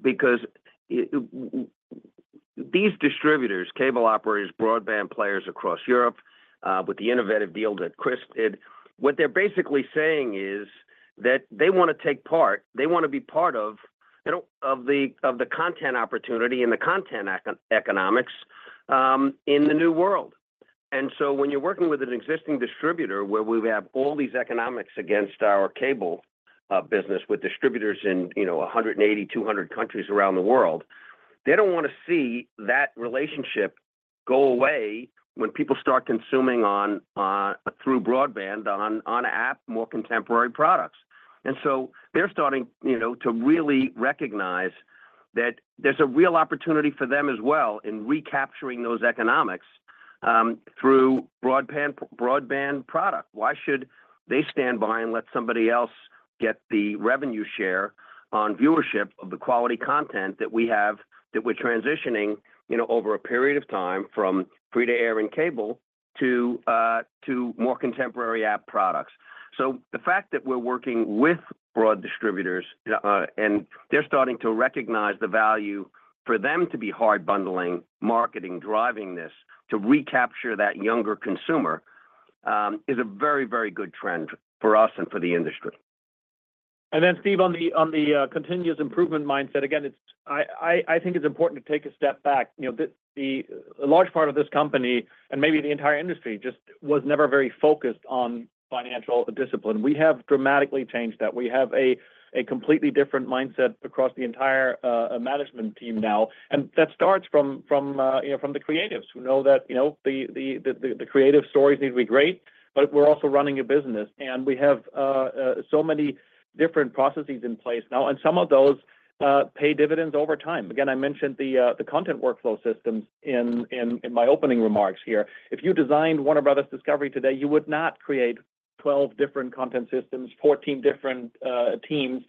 because these distributors, cable operators, broadband players across Europe, with the innovative deal that Chris did, what they're basically saying is that they wanna take part. They wanna be part of, you know, the content opportunity and the content economics, in the new world. And so when you're working with an existing distributor, where we have all these economics against our cable business with distributors in, you know, 180-200 countries around the world, they don't wanna see that relationship go away when people start consuming through broadband, on app, more contemporary products. And so they're starting, you know, to really recognize that there's a real opportunity for them as well in recapturing those economics, through broadband product. Why should they stand by and let somebody else get the revenue share on viewership of the quality content that we have, that we're transitioning, you know, over a period of time from free-to-air and cable to more contemporary app products? So the fact that we're working with broad distributors, and they're starting to recognize the value for them to be hard bundling, marketing, driving this, to recapture that younger consumer, is a very, very good trend for us and for the industry. Then, Steve, on the continuous improvement mindset, again, it's. I think it's important to take a step back. You know, a large part of this company, and maybe the entire industry, just was never very focused on financial discipline. We have dramatically changed that. We have a completely different mindset across the entire management team now, and that starts from you know, from the creatives who know that, you know, the creative stories need to be great, but we're also running a business, and we have so many different processes in place now, and some of those pay dividends over time. Again, I mentioned the content workflow systems in my opening remarks here. If you designed Warner Bros. Discovery today, you would not create 12 different content systems, 14 different teams.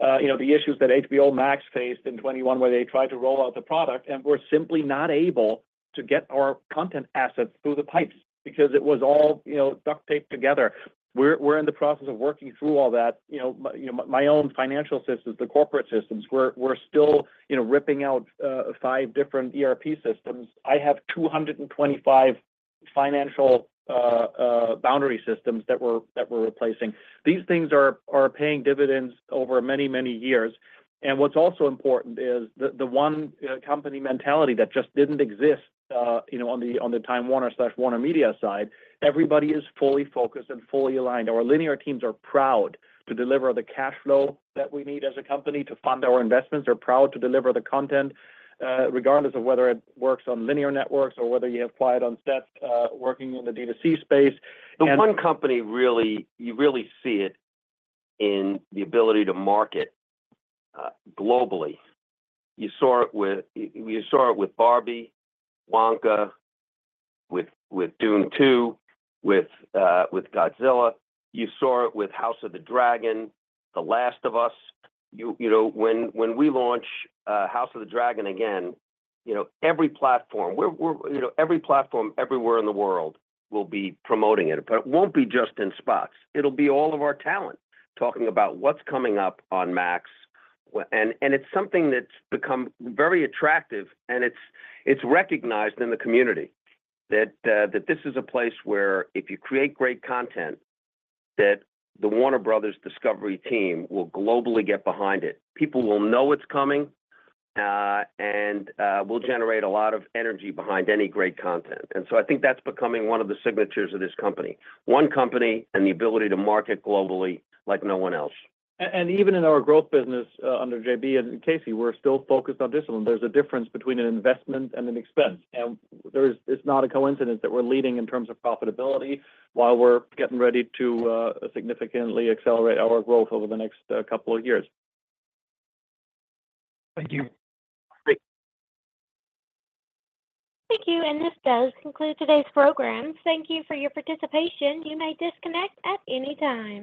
You know, the issues that HBO Max faced in 2021, where they tried to roll out the product, and we're simply not able to get our content assets through the pipes because it was all, you know, duct taped together. We're in the process of working through all that. You know, my own financial systems, the corporate systems, we're still, you know, ripping out five different ERP systems. I have 225 financial boundary systems that we're replacing. These things are paying dividends over many, many years. And what's also important is the one company mentality that just didn't exist, you know, on the Time Warner/WarnerMedia side. Everybody is fully focused and fully aligned. Our linear teams are proud to deliver the cash flow that we need as a company to fund our investments. They're proud to deliver the content, regardless of whether it works on linear networks or whether you apply it on set, working in the D2C space. The one company really, you really see it in the ability to market globally. You saw it with, you saw it with Barbie, Wonka, with, with Dune 2, with, with Godzilla. You saw it with House of the Dragon, The Last of Us. You, you know, when, when we launch, House of the Dragon again, you know, every platform, we're, we're. You know, every platform everywhere in the world will be promoting it, but it won't be just in spots. It'll be all of our talent talking about what's coming up on Max. And, and it's something that's become very attractive, and it's, it's recognized in the community that, that this is a place where if you create great content, that the Warner Bros. Discovery team will globally get behind it. People will know it's coming, and we'll generate a lot of energy behind any great content. And so I think that's becoming one of the signatures of this company. One company and the ability to market globally like no one else. Even in our growth business, under JB and Casey, we're still focused on discipline. There's a difference between an investment and an expense, and there is—it's not a coincidence that we're leading in terms of profitability while we're getting ready to significantly accelerate our growth over the next couple of years. Thank you. Great. Thank you, and this does conclude today's program. Thank you for your participation. You may disconnect at any time.